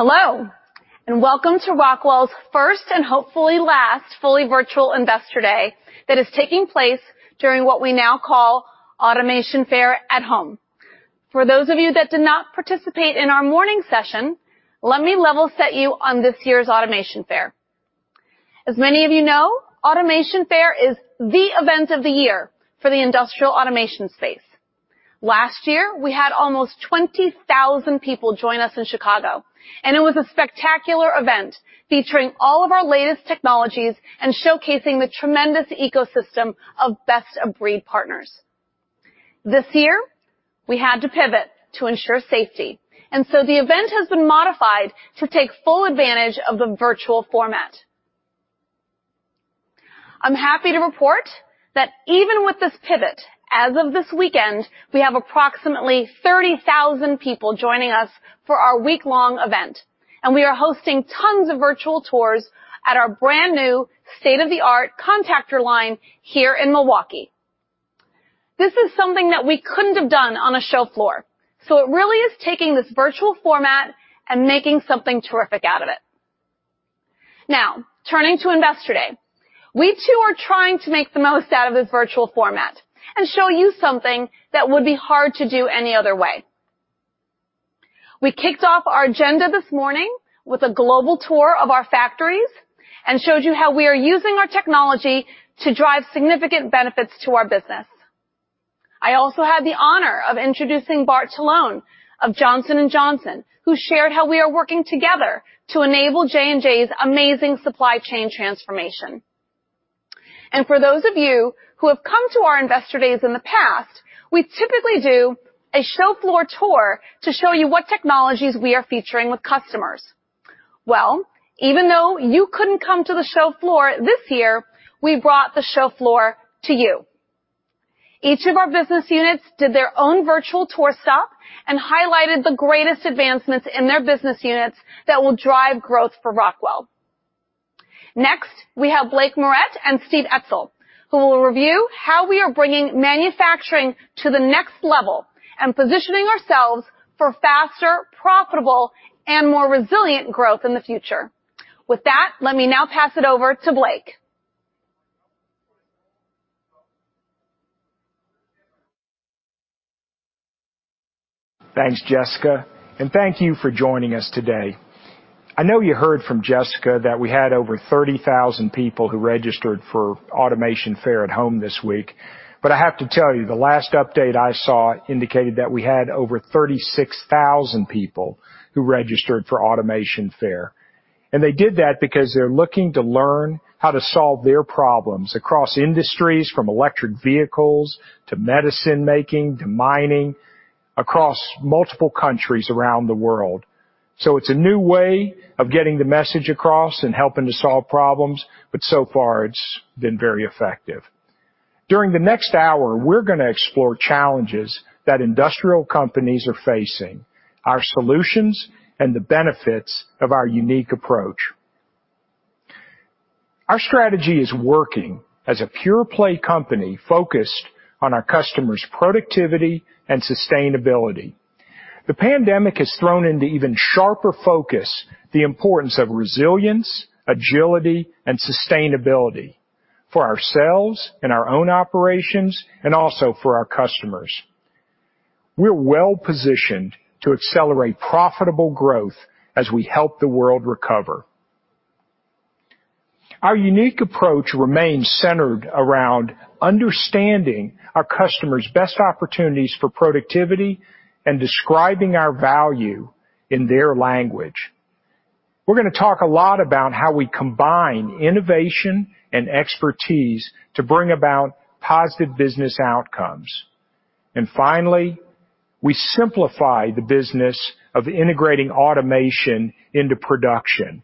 Hello, and welcome to Rockwell's first, and hopefully last, fully virtual Investor Day that is taking place during what we now call Automation Fair At Home. For those of you that did not participate in our morning session, let me level set you on this year's Automation Fair. As many of you know, Automation Fair is the event of the year for the industrial automation space. Last year, we had almost 20,000 people join us in Chicago, and it was a spectacular event featuring all of our latest technologies and showcasing the tremendous ecosystem of best-of-breed partners. The event has been modified to take full advantage of the virtual format. I'm happy to report that even with this pivot, as of this weekend, we have approximately 30,000 people joining us for our week-long event, and we are hosting tons of virtual tours at our brand-new state-of-the-art contactor line here in Milwaukee. This is something that we couldn't have done on a show floor. It really is taking this virtual format and making something terrific out of it. Now, turning to Investor Day. We too are trying to make the most out of this virtual format and show you something that would be hard to do any other way. We kicked off our agenda this morning with a global tour of our factories and showed you how we are using our technology to drive significant benefits to our business. I also had the honor of introducing Bart Talloen of Johnson & Johnson, who shared how we are working together to enable J&J's amazing supply chain transformation. For those of you who have come to our Investor Days in the past, we typically do a show floor tour to show you what technologies we are featuring with customers. Even though you couldn't come to the show floor this year, we brought the show floor to you. Each of our business units did their own virtual tour stop and highlighted the greatest advancements in their business units that will drive growth for Rockwell. Next, we have Blake Moret and Steve Etzel, who will review how we are bringing manufacturing to the next level and positioning ourselves for faster, profitable, and more resilient growth in the future. With that, let me now pass it over to Blake. Thanks, Jessica, and thank you for joining us today. I know you heard from Jessica that we had over 30,000 people who registered for Automation Fair at Home this week, but I have to tell you, the last update I saw indicated that we had over 36,000 people who registered for Automation Fair. They did that because they're looking to learn how to solve their problems across industries, from electric vehicles to medicine making, to mining, across multiple countries around the world. It's a new way of getting the message across and helping to solve problems, but so far it's been very effective. During the next hour, we're going to explore challenges that industrial companies are facing, our solutions, and the benefits of our unique approach. Our strategy is working as a pure-play company focused on our customers' productivity and sustainability. The pandemic has thrown into even sharper focus the importance of resilience, agility, and sustainability for ourselves and our own operations, and also for our customers. We're well-positioned to accelerate profitable growth as we help the world recover. Our unique approach remains centered around understanding our customers' best opportunities for productivity and describing our value in their language. We're going to talk a lot about how we combine innovation and expertise to bring about positive business outcomes. Finally, we simplify the business of integrating automation into production.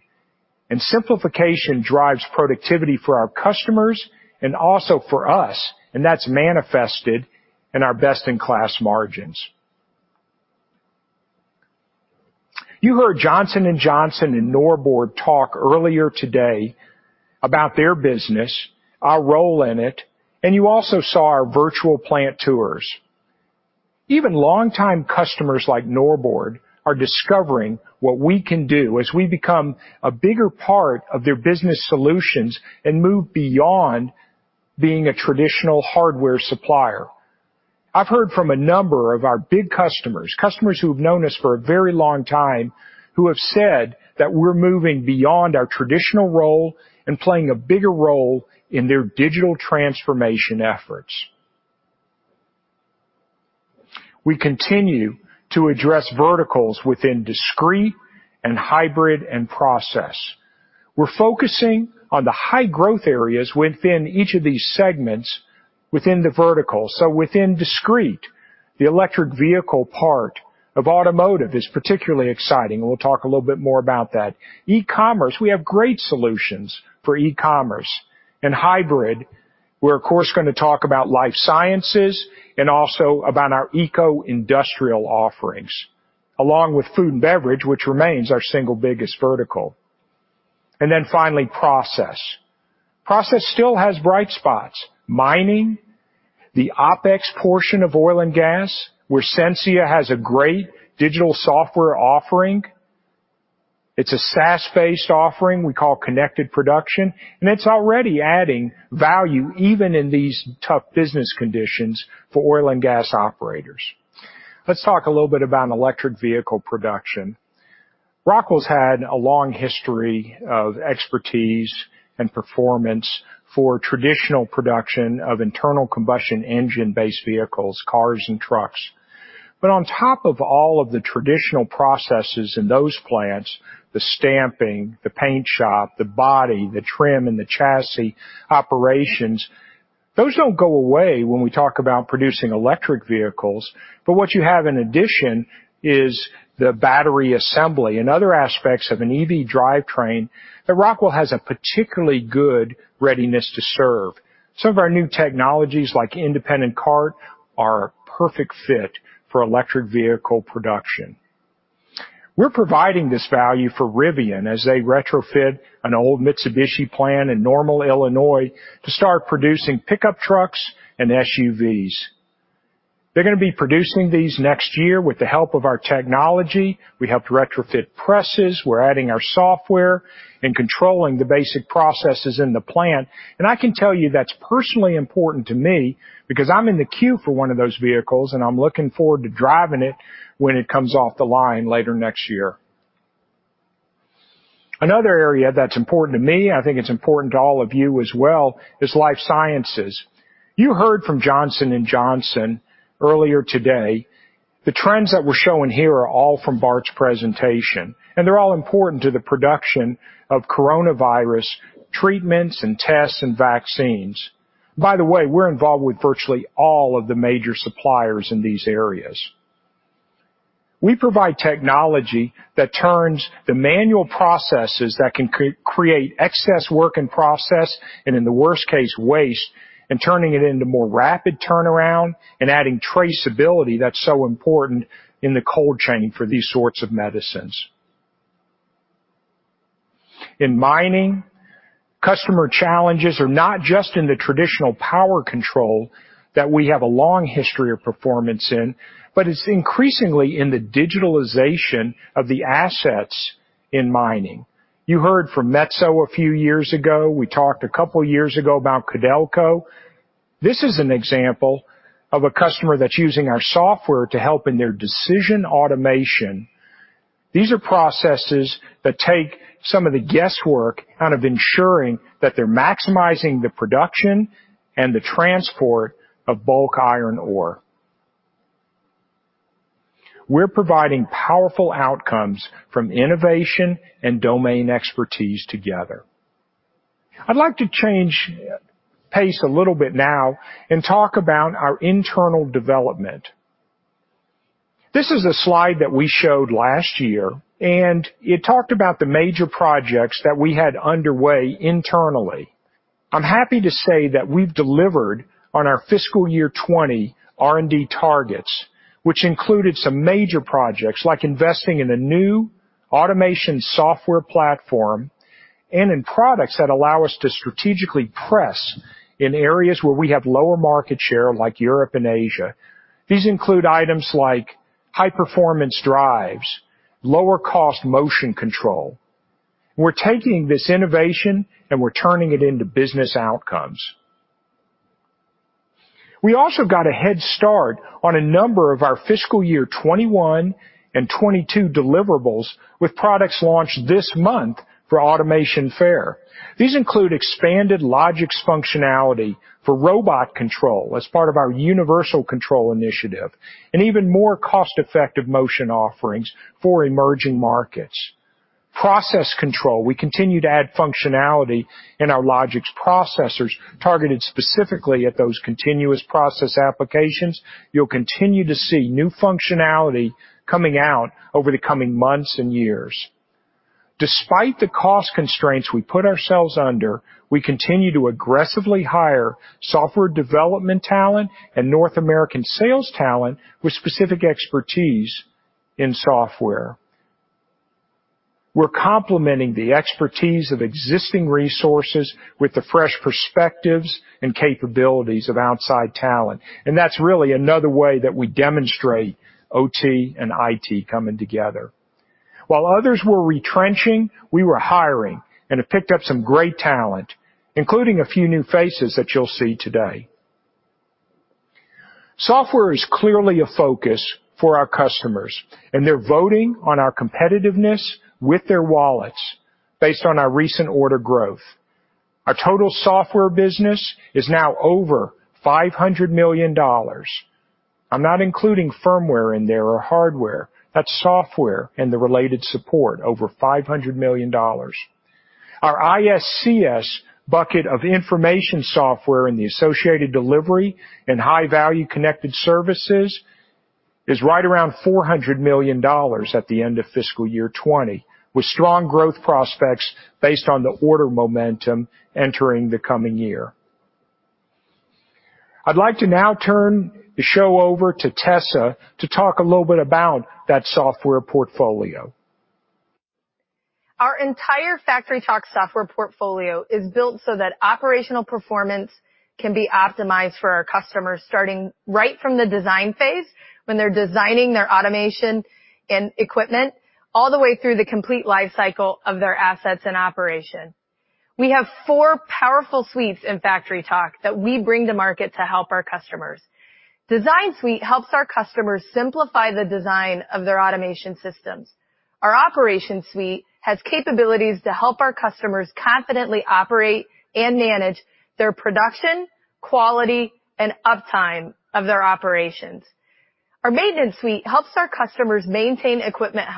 Simplification drives productivity for our customers and also for us, and that's manifested in our best-in-class margins. You heard Johnson & Johnson and Norbord talk earlier today about their business, our role in it, and you also saw our virtual plant tours. Even longtime customers like Norbord are discovering what we can do as we become a bigger part of their business solutions and move beyond being a traditional hardware supplier. I've heard from a number of our big customers who have known us for a very long time, who have said that we're moving beyond our traditional role and playing a bigger role in their digital transformation efforts. We continue to address verticals within discrete and hybrid and process. We're focusing on the high-growth areas within each of these segments within the vertical. Within discrete, the electric vehicle part of automotive is particularly exciting, and we'll talk a little bit more about that. E-commerce, we have great solutions for e-commerce. Hybrid, we're of course going to talk about life sciences and also about our eco-industrial offerings, along with food and beverage, which remains our single biggest vertical. Finally, process. Process still has bright spots. Mining, the OpEx portion of oil and gas, where Sensia has a great digital software offering. It's a SaaS-based offering we call ConnectedProduction, and it's already adding value even in these tough business conditions for oil and gas operators. Let's talk a little bit about electric vehicle production. Rockwell's had a long history of expertise and performance for traditional production of internal combustion engine-based vehicles, cars, and trucks. On top of all of the traditional processes in those plants, the stamping, the paint shop, the body, the trim, and the chassis operations, those don't go away when we talk about producing electric vehicles. What you have in addition is the battery assembly and other aspects of an EV drivetrain that Rockwell has a particularly good readiness to serve. Some of our new technologies, like Independent Cart, are a perfect fit for electric vehicle production. We're providing this value for Rivian as they retrofit an old Mitsubishi plant in Normal, Illinois, to start producing pickup trucks and SUVs. They're going to be producing these next year with the help of our technology. We helped retrofit presses. We're adding our software and controlling the basic processes in the plant. I can tell you that's personally important to me because I'm in the queue for one of those vehicles, and I'm looking forward to driving it when it comes off the line later next year. Another area that's important to me, I think it's important to all of you as well, is life sciences. You heard from Johnson & Johnson earlier today. The trends that we're showing here are all from Bart's presentation, they're all important to the production of coronavirus treatments and tests and vaccines. By the way, we're involved with virtually all of the major suppliers in these areas. We provide technology that turns the manual processes that can create excess work in process, and in the worst case, waste, and turning it into more rapid turnaround and adding traceability that's so important in the cold chain for these sorts of medicines. In mining, customer challenges are not just in the traditional power control that we have a long history of performance in, it's increasingly in the digitalization of the assets in mining. You heard from Metso a few years ago. We talked a couple of years ago about Codelco. This is an example of a customer that's using our software to help in their decision automation. These are processes that take some of the guesswork out of ensuring that they're maximizing the production and the transport of bulk iron ore. We're providing powerful outcomes from innovation and domain expertise together. I'd like to change pace a little bit now and talk about our internal development. This is a slide that we showed last year. It talked about the major projects that we had underway internally. I'm happy to say that we've delivered on our fiscal year 2020 R&D targets, which included some major projects like investing in a new automation software platform and in products that allow us to strategically press in areas where we have lower market share, like Europe and Asia. These include items like high-performance drives, lower-cost motion control. We're taking this innovation, and we're turning it into business outcomes. We also got a head start on a number of our fiscal year 2021 and 2022 deliverables with products launched this month for Automation Fair. These include expanded Logix functionality for robot control as part of our Unified Robot Control initiative, and even more cost-effective motion offerings for emerging markets. Process control, we continue to add functionality in our Logix processors targeted specifically at those continuous process applications. You'll continue to see new functionality coming out over the coming months and years. Despite the cost constraints we put ourselves under, we continue to aggressively hire software development talent and North American sales talent with specific expertise in software. We're complementing the expertise of existing resources with the fresh perspectives and capabilities of outside talent. That's really another way that we demonstrate OT and IT coming together. While others were retrenching, we were hiring and have picked up some great talent, including a few new faces that you'll see today. Software is clearly a focus for our customers, and they're voting on our competitiveness with their wallets based on our recent order growth. Our total software business is now over $500 million. I'm not including firmware in there or hardware. That's software and the related support, over $500 million. Our ISCS bucket of information software and the associated delivery and high-value connected services is right around $400 million at the end of fiscal year 2020, with strong growth prospects based on the order momentum entering the coming year. I'd like to now turn the show over to Tessa to talk a little bit about that software portfolio. Our entire FactoryTalk software portfolio is built so that operational performance can be optimized for our customers, starting right from the design phase when they are designing their automation and equipment, all the way through the complete life cycle of their assets and operation. We have four powerful suites in FactoryTalk that we bring to market to help our customers. DesignSuite helps our customers simplify the design of their automation systems. Our OperationSuite has capabilities to help our customers confidently operate and manage their production, quality, and uptime of their operations. Our MaintenanceSuite helps our customers maintain equipment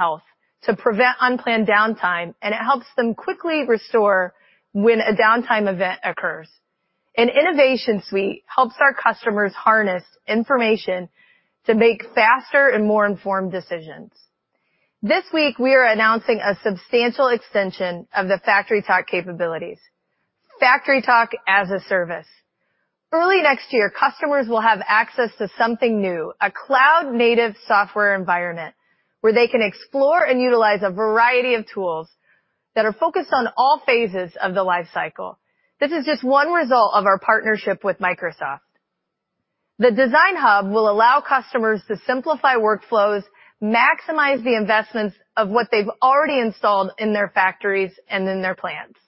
health to prevent unplanned downtime, and it helps them quickly restore when a downtime event occurs. InnovationSuite helps our customers harness information to make faster and more informed decisions. This week, we are announcing a substantial extension of the FactoryTalk capabilities, FactoryTalk as a Service. Early next year, customers will have access to something new, a cloud-native software environment where they can explore and utilize a variety of tools that are focused on all phases of the life cycle. This is just one result of our partnership with Microsoft. The Design Hub will allow customers to simplify workflows, maximize the investments of what they've already installed in their factories and in their plants.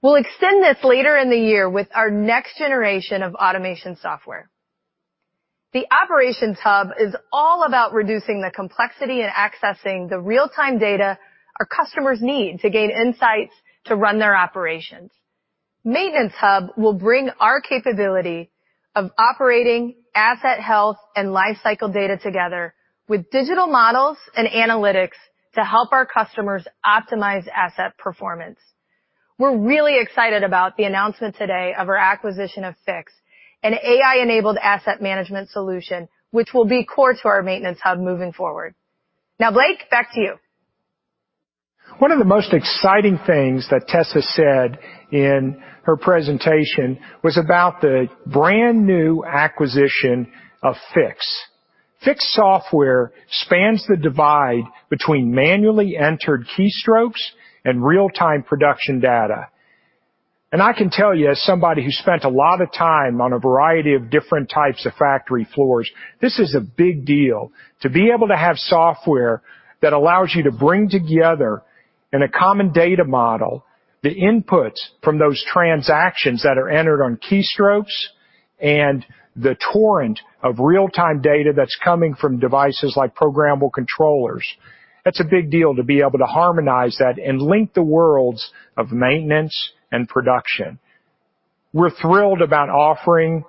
We'll extend this later in the year with our next generation of automation software. The Operations Hub is all about reducing the complexity and accessing the real-time data our customers need to gain insights to run their operations. Maintenance Hub will bring our capability of operating asset health and life cycle data together with digital models and analytics to help our customers optimize asset performance. We're really excited about the announcement today of our acquisition of Fiix, an AI-enabled asset management solution which will be core to our Maintenance Hub moving forward. Now, Blake, back to you. One of the most exciting things that Tessa said in her presentation was about the brand-new acquisition of Fiix. Fiix software spans the divide between manually entered keystrokes and real-time production data. I can tell you, as somebody who's spent a lot of time on a variety of different types of factory floors, this is a big deal to be able to have software that allows you to bring together in a common data model the inputs from those transactions that are entered on keystrokes and the torrent of real-time data that's coming from devices like programmable controllers. That's a big deal to be able to harmonize that and link the worlds of maintenance and production. We're thrilled about offering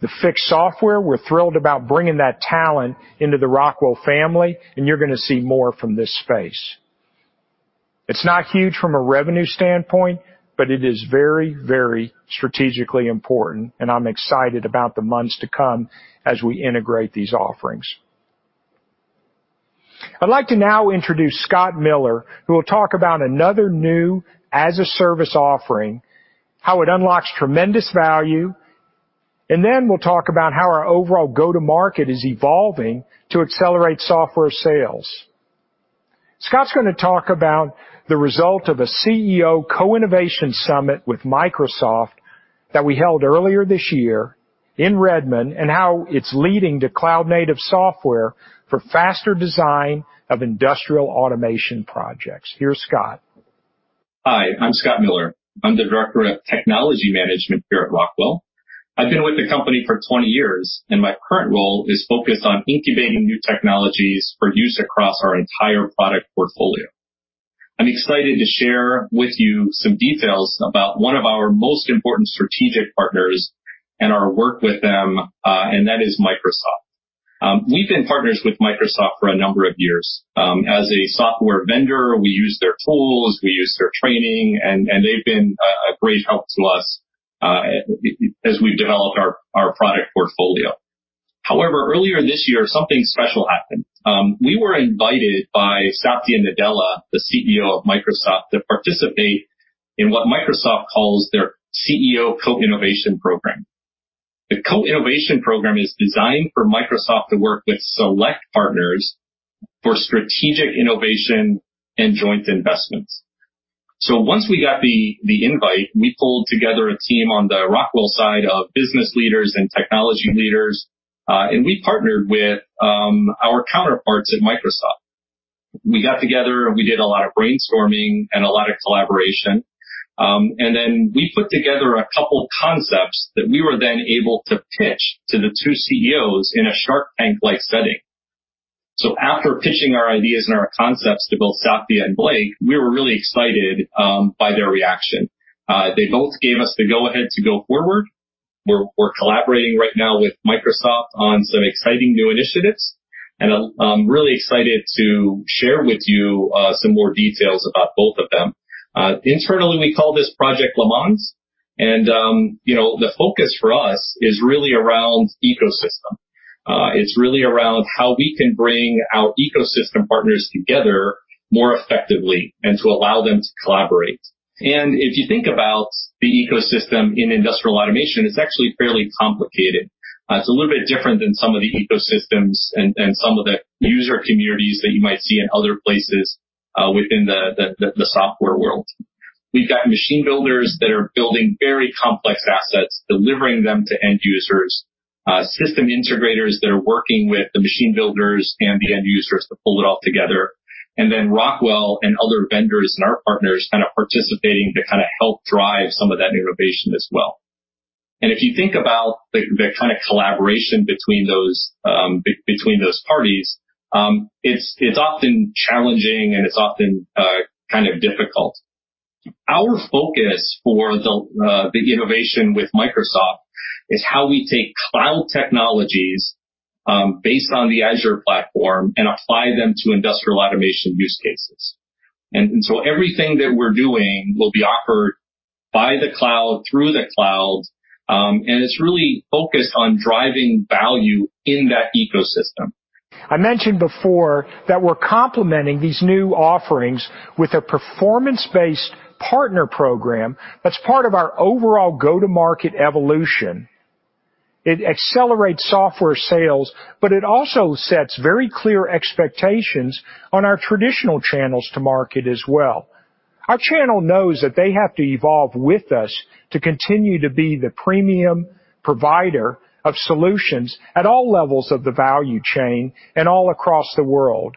the Fiix software. We're thrilled about bringing that talent into the Rockwell family, and you're going to see more from this space. It's not huge from a revenue standpoint, but it is very, very strategically important, and I'm excited about the months to come as we integrate these offerings. I'd like to now introduce Scott Miller, who will talk about another new as-a-service offering, how it unlocks tremendous value, and then we'll talk about how our overall go-to-market is evolving to accelerate software sales. Scott's going to talk about the result of a CEO Co-Innovation summit with Microsoft that we held earlier this year in Redmond, and how it's leading to cloud-native software for faster design of industrial automation projects. Here's Scott. Hi, I'm Scott Miller. I'm the director of technology management here at Rockwell. I've been with the company for 20 years, and my current role is focused on incubating new technologies for use across our entire product portfolio. I'm excited to share with you some details about one of our most important strategic partners and our work with them, and that is Microsoft. We've been partners with Microsoft for a number of years. As a software vendor, we use their tools, we use their training, and they've been a great help to us as we've developed our product portfolio. However, earlier this year, something special happened. We were invited by Satya Nadella, the CEO of Microsoft, to participate in what Microsoft calls their CEO Co-Innovation Program. The Co-Innovation Program is designed for Microsoft to work with select partners for strategic innovation and joint investments. Once we got the invite, we pulled together a team on the Rockwell side of business leaders and technology leaders, and we partnered with our counterparts at Microsoft. We got together and we did a lot of brainstorming and a lot of collaboration. We put together a couple of concepts that we were then able to pitch to the two CEOs in a Shark Tank-like setting. After pitching our ideas and our concepts to both Satya and Blake, we were really excited by their reaction. They both gave us the go-ahead to go forward. We're collaborating right now with Microsoft on some exciting new initiatives, and I'm really excited to share with you some more details about both of them. Internally, we call this Project Le Mans, and the focus for us is really around ecosystem. It's really around how we can bring our ecosystem partners together more effectively and to allow them to collaborate. If you think about the ecosystem in industrial automation, it's actually fairly complicated. It's a little bit different than some of the ecosystems and some of the user communities that you might see in other places within the software world. We've got machine builders that are building very complex assets, delivering them to end users, system integrators that are working with the machine builders and the end users to pull it all together, and then Rockwell and other vendors and our partners kind of participating to help drive some of that innovation as well. If you think about the kind of collaboration between those parties, it's often challenging and it's often kind of difficult. Our focus for the innovation with Microsoft is how we take cloud technologies based on the Azure platform and apply them to industrial automation use cases. Everything that we're doing will be offered by the cloud, through the cloud, and it's really focused on driving value in that ecosystem. I mentioned before that we're complementing these new offerings with a performance-based partner program that's part of our overall go-to-market evolution. It accelerates software sales, it also sets very clear expectations on our traditional channels to market as well. Our channel knows that they have to evolve with us to continue to be the premium provider of solutions at all levels of the value chain and all across the world.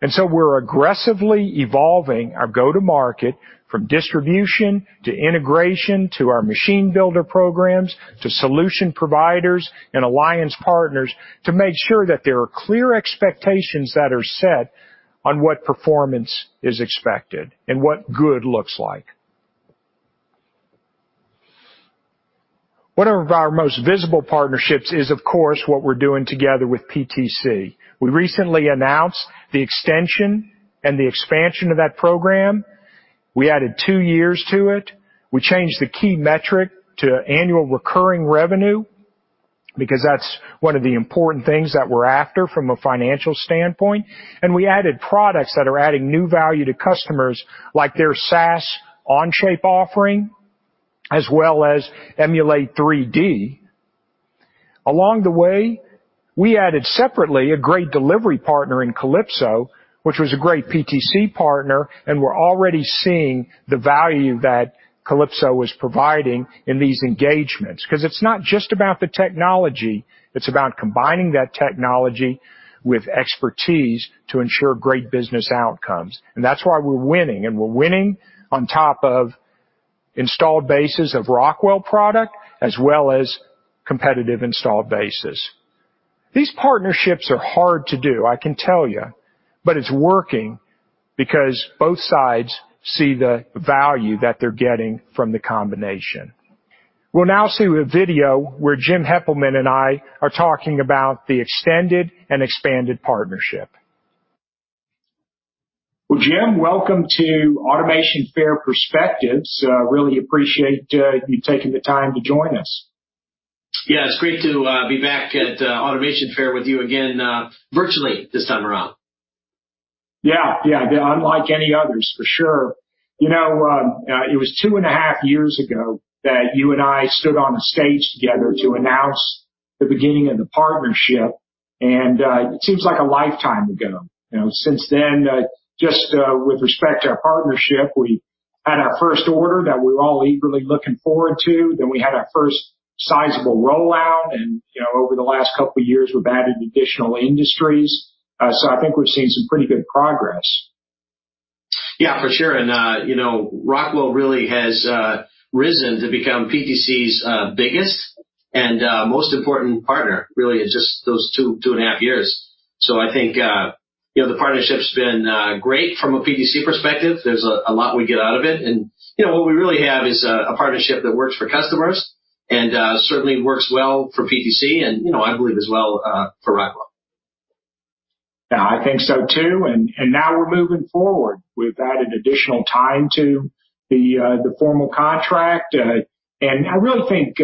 We're aggressively evolving our go-to-market, from distribution to integration, to our machine builder programs, to solution providers and alliance partners to make sure that there are clear expectations that are set on what performance is expected and what good looks like. One of our most visible partnerships is, of course, what we're doing together with PTC. We recently announced the extension and the expansion of that program. We added two years to it. We changed the key metric to annual recurring revenue, because that's one of the important things that we're after from a financial standpoint. We added products that are adding new value to customers, like their SaaS Onshape offering, as well as Emulate3D. Along the way, we added separately a great delivery partner in Kalypso, which was a great PTC partner, and we're already seeing the value that Kalypso is providing in these engagements. It's not just about the technology, it's about combining that technology with expertise to ensure great business outcomes. That's why we're winning, and we're winning on top of installed bases of Rockwell product as well as competitive installed bases. These partnerships are hard to do, I can tell you, but it's working because both sides see the value that they're getting from the combination. We'll now see a video where Jim Heppelmann and I are talking about the extended and expanded partnership. Well, Jim, welcome to Automation Fair Perspectives. Really appreciate you taking the time to join us. Yeah, it's great to be back at Automation Fair with you again, virtually this time around. Yeah. Unlike any others, for sure. It was two and a half years ago that you and I stood on a stage together to announce the beginning of the partnership, and it seems like a lifetime ago. Since then, just with respect to our partnership, we had our first order that we were all eagerly looking forward to. We had our first sizable rollout and over the last couple of years, we've added additional industries. I think we've seen some pretty good progress. Yeah, for sure. Rockwell really has risen to become PTC's biggest and most important partner, really in just those two and a half years. I think the partnership's been great from a PTC perspective. There's a lot we get out of it. What we really have is a partnership that works for customers and certainly works well for PTC and I believe as well for Rockwell. Yeah, I think so too. Now we're moving forward. We've added additional time to the formal contract. I really think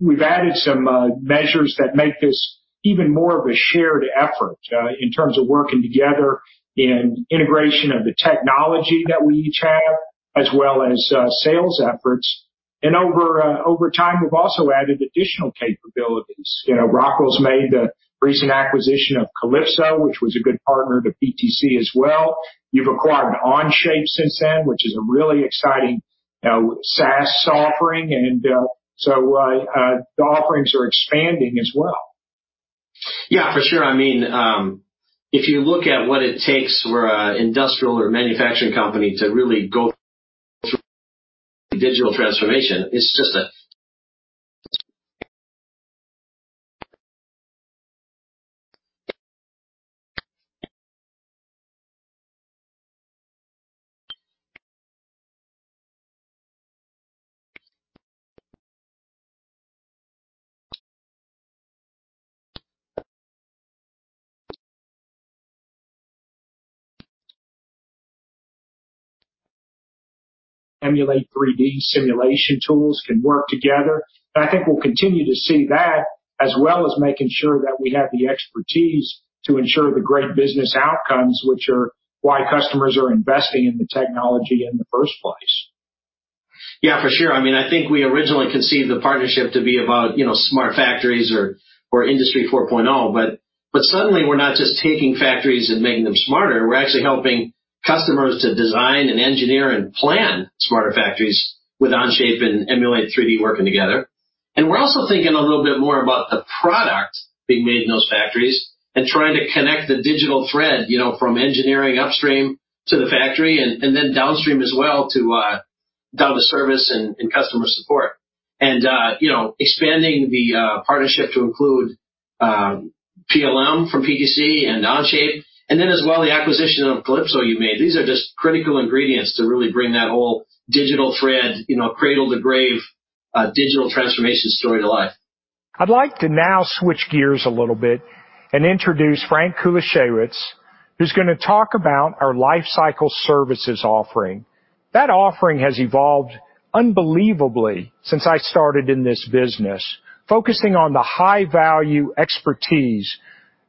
we've added some measures that make this even more of a shared effort in terms of working together in integration of the technology that we each have, as well as sales efforts. Over time, we've also added additional capabilities. Rockwell's made the recent acquisition of Kalypso, which was a good partner to PTC as well. You've acquired Onshape since then, which is a really exciting SaaS offering, and so the offerings are expanding as well. Yeah, for sure. If you look at what it takes for an industrial or manufacturing company to really go through digital transformation, it's just. Emulate3D simulation tools can work together. I think we'll continue to see that, as well as making sure that we have the expertise to ensure the great business outcomes, which are why customers are investing in the technology in the first place. Yeah, for sure. I think we originally conceived the partnership to be about smart factories or Industry 4.0. Suddenly we're not just taking factories and making them smarter. We're actually helping customers to design and engineer and plan smarter factories with Onshape and Emulate3D working together. We're also thinking a little bit more about the product being made in those factories and trying to connect the digital thread from engineering upstream to the factory and then downstream as well to service and customer support. Expanding the partnership to include PLM from PTC and Onshape, and then as well the acquisition of Kalypso you made. These are just critical ingredients to really bring that whole digital thread, cradle-to-grave digital transformation story to life. I'd like to now switch gears a little bit and introduce Frank Kulaszewicz, who's going to talk about our lifecycle services offering. That offering has evolved unbelievably since I started in this business, focusing on the high-value expertise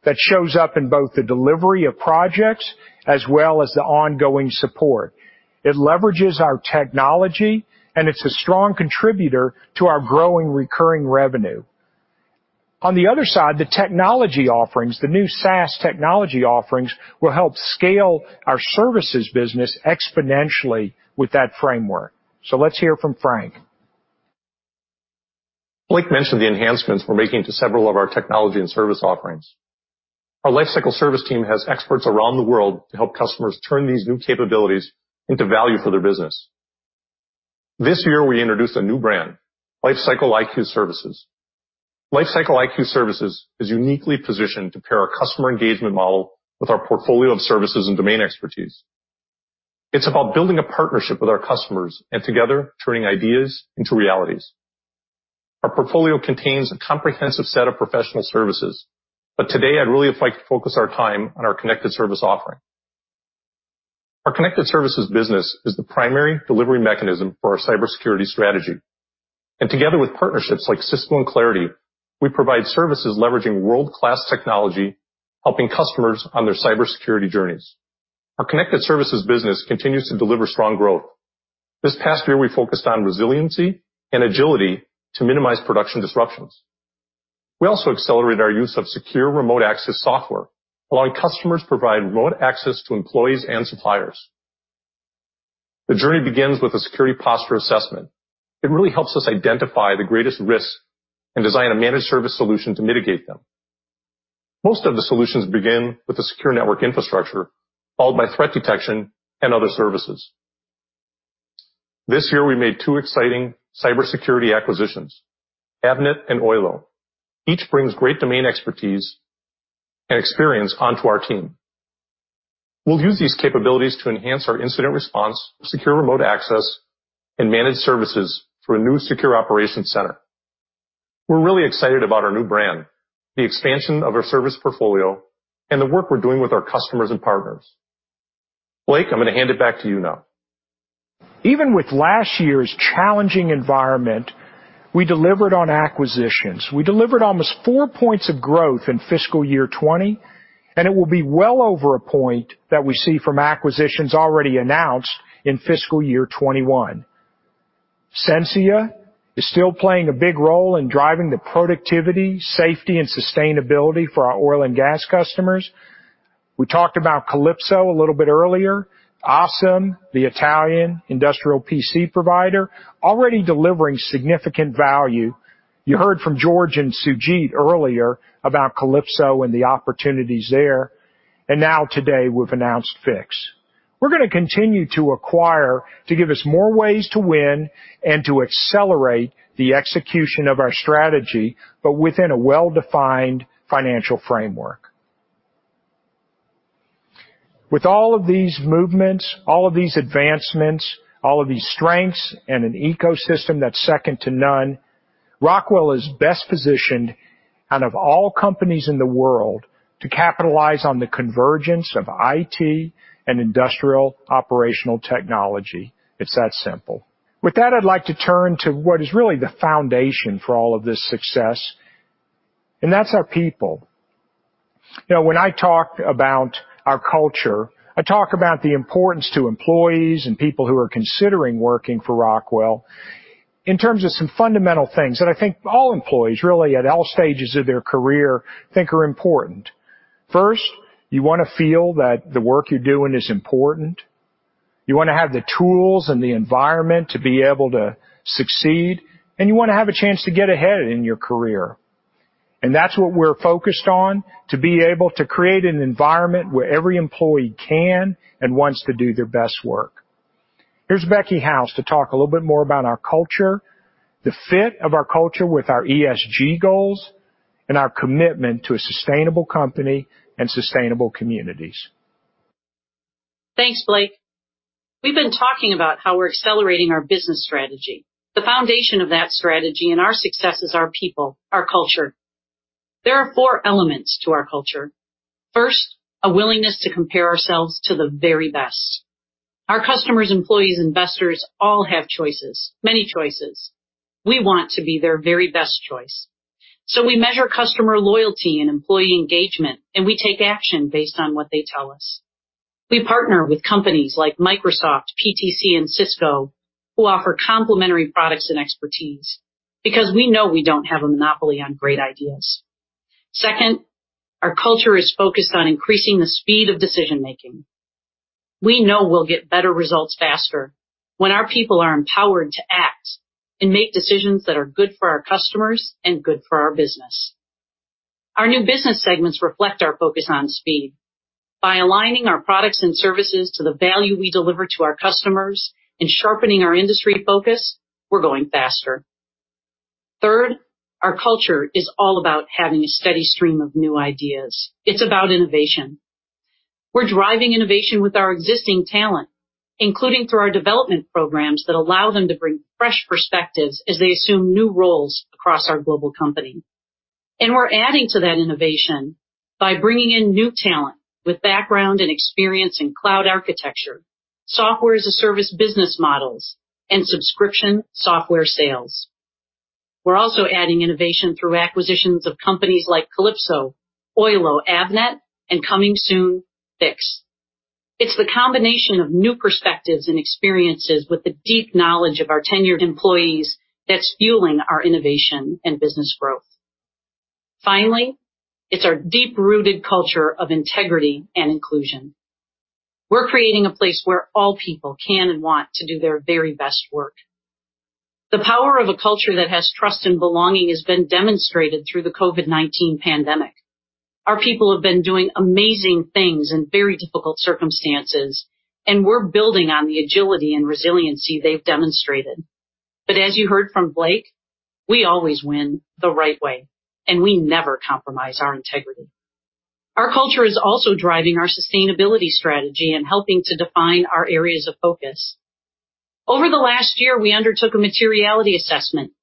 that shows up in both the delivery of projects as well as the ongoing support. It's a strong contributor to our growing recurring revenue. On the other side, the technology offerings, the new SaaS technology offerings, will help scale our services business exponentially with that framework. Let's hear from Frank. Blake mentioned the enhancements we're making to several of our technology and service offerings. Our lifecycle service team has experts around the world to help customers turn these new capabilities into value for their business. This year, we introduced a new brand, LifecycleIQ Services. LifecycleIQ Services is uniquely positioned to pair our customer engagement model with our portfolio of services and domain expertise. It's about building a partnership with our customers and together turning ideas into realities. Our portfolio contains a comprehensive set of professional services. Today, I'd really like to focus our time on our connected service offering. Our connected services business is the primary delivery mechanism for our cybersecurity strategy. Together with partnerships like Cisco and Claroty, we provide services leveraging world-class technology, helping customers on their cybersecurity journeys. Our connected services business continues to deliver strong growth. This past year, we focused on resiliency and agility to minimize production disruptions. We also accelerated our use of secure remote access software, allowing customers to provide remote access to employees and suppliers. The journey begins with a security posture assessment. It really helps us identify the greatest risks and design a managed service solution to mitigate them. Most of the solutions begin with a secure network infrastructure, followed by threat detection and other services. This year, we made two exciting cybersecurity acquisitions, Avnet and Oylo. Each brings great domain expertise and experience onto our team. We'll use these capabilities to enhance our incident response, secure remote access, and managed services through a new secure operations center. We're really excited about our new brand, the expansion of our service portfolio, and the work we're doing with our customers and partners. Blake, I'm going to hand it back to you now. Even with last year's challenging environment, we delivered on acquisitions. We delivered almost four points of growth in fiscal year 2020, and it will be well over one point that we see from acquisitions already announced in fiscal year 2021. Sensia is still playing a big role in driving the productivity, safety, and sustainability for our oil and gas customers. We talked about Kalypso a little bit earlier. ASEM, the Italian industrial PC provider, already delivering significant value. You heard from George and Sujeet earlier about Kalypso and the opportunities there. Now today we've announced Fiix. We're going to continue to acquire to give us more ways to win and to accelerate the execution of our strategy, but within a well-defined financial framework. With all of these movements, all of these advancements, all of these strengths, and an ecosystem that's second to none, Rockwell is best positioned out of all companies in the world to capitalize on the convergence of IT and industrial operational technology. It's that simple. With that, I'd like to turn to what is really the foundation for all of this success, and that's our people. When I talk about our culture, I talk about the importance to employees and people who are considering working for Rockwell in terms of some fundamental things that I think all employees really at all stages of their career think are important. First, you want to feel that the work you're doing is important. You want to have the tools and the environment to be able to succeed, and you want to have a chance to get ahead in your career. That's what we're focused on, to be able to create an environment where every employee can and wants to do their best work. Here's Becky House to talk a little bit more about our culture, the fit of our culture with our ESG goals, and our commitment to a sustainable company and sustainable communities. Thanks, Blake. We've been talking about how we're accelerating our business strategy. The foundation of that strategy and our success is our people, our culture. There are four elements to our culture. First, a willingness to compare ourselves to the very best. Our customers, employees, investors, all have choices, many choices. We want to be their very best choice. We measure customer loyalty and employee engagement, and we take action based on what they tell us. We partner with companies like Microsoft, PTC, and Cisco, who offer complementary products and expertise because we know we don't have a monopoly on great ideas. Second, our culture is focused on increasing the speed of decision-making. We know we'll get better results faster when our people are empowered to act and make decisions that are good for our customers and good for our business. Our new business segments reflect our focus on speed. By aligning our products and services to the value we deliver to our customers and sharpening our industry focus, we're going faster. Third, our culture is all about having a steady stream of new ideas. It's about innovation. We're driving innovation with our existing talent, including through our development programs that allow them to bring fresh perspectives as they assume new roles across our global company. We're adding to that innovation by bringing in new talent with background and experience in cloud architecture, software as a service business models, and subscription software sales. We're also adding innovation through acquisitions of companies like Kalypso, Oylo, Avnet, and coming soon, Fiix. It's the combination of new perspectives and experiences with the deep knowledge of our tenured employees that's fueling our innovation and business growth. Finally, it's our deep-rooted culture of integrity and inclusion. We're creating a place where all people can and want to do their very best work. The power of a culture that has trust and belonging has been demonstrated through the COVID-19 pandemic. Our people have been doing amazing things in very difficult circumstances, and we're building on the agility and resiliency they've demonstrated. As you heard from Blake, we always win the right way, and we never compromise our integrity. Our culture is also driving our sustainability strategy and helping to define our areas of focus. Over the last year, we undertook a materiality assessment.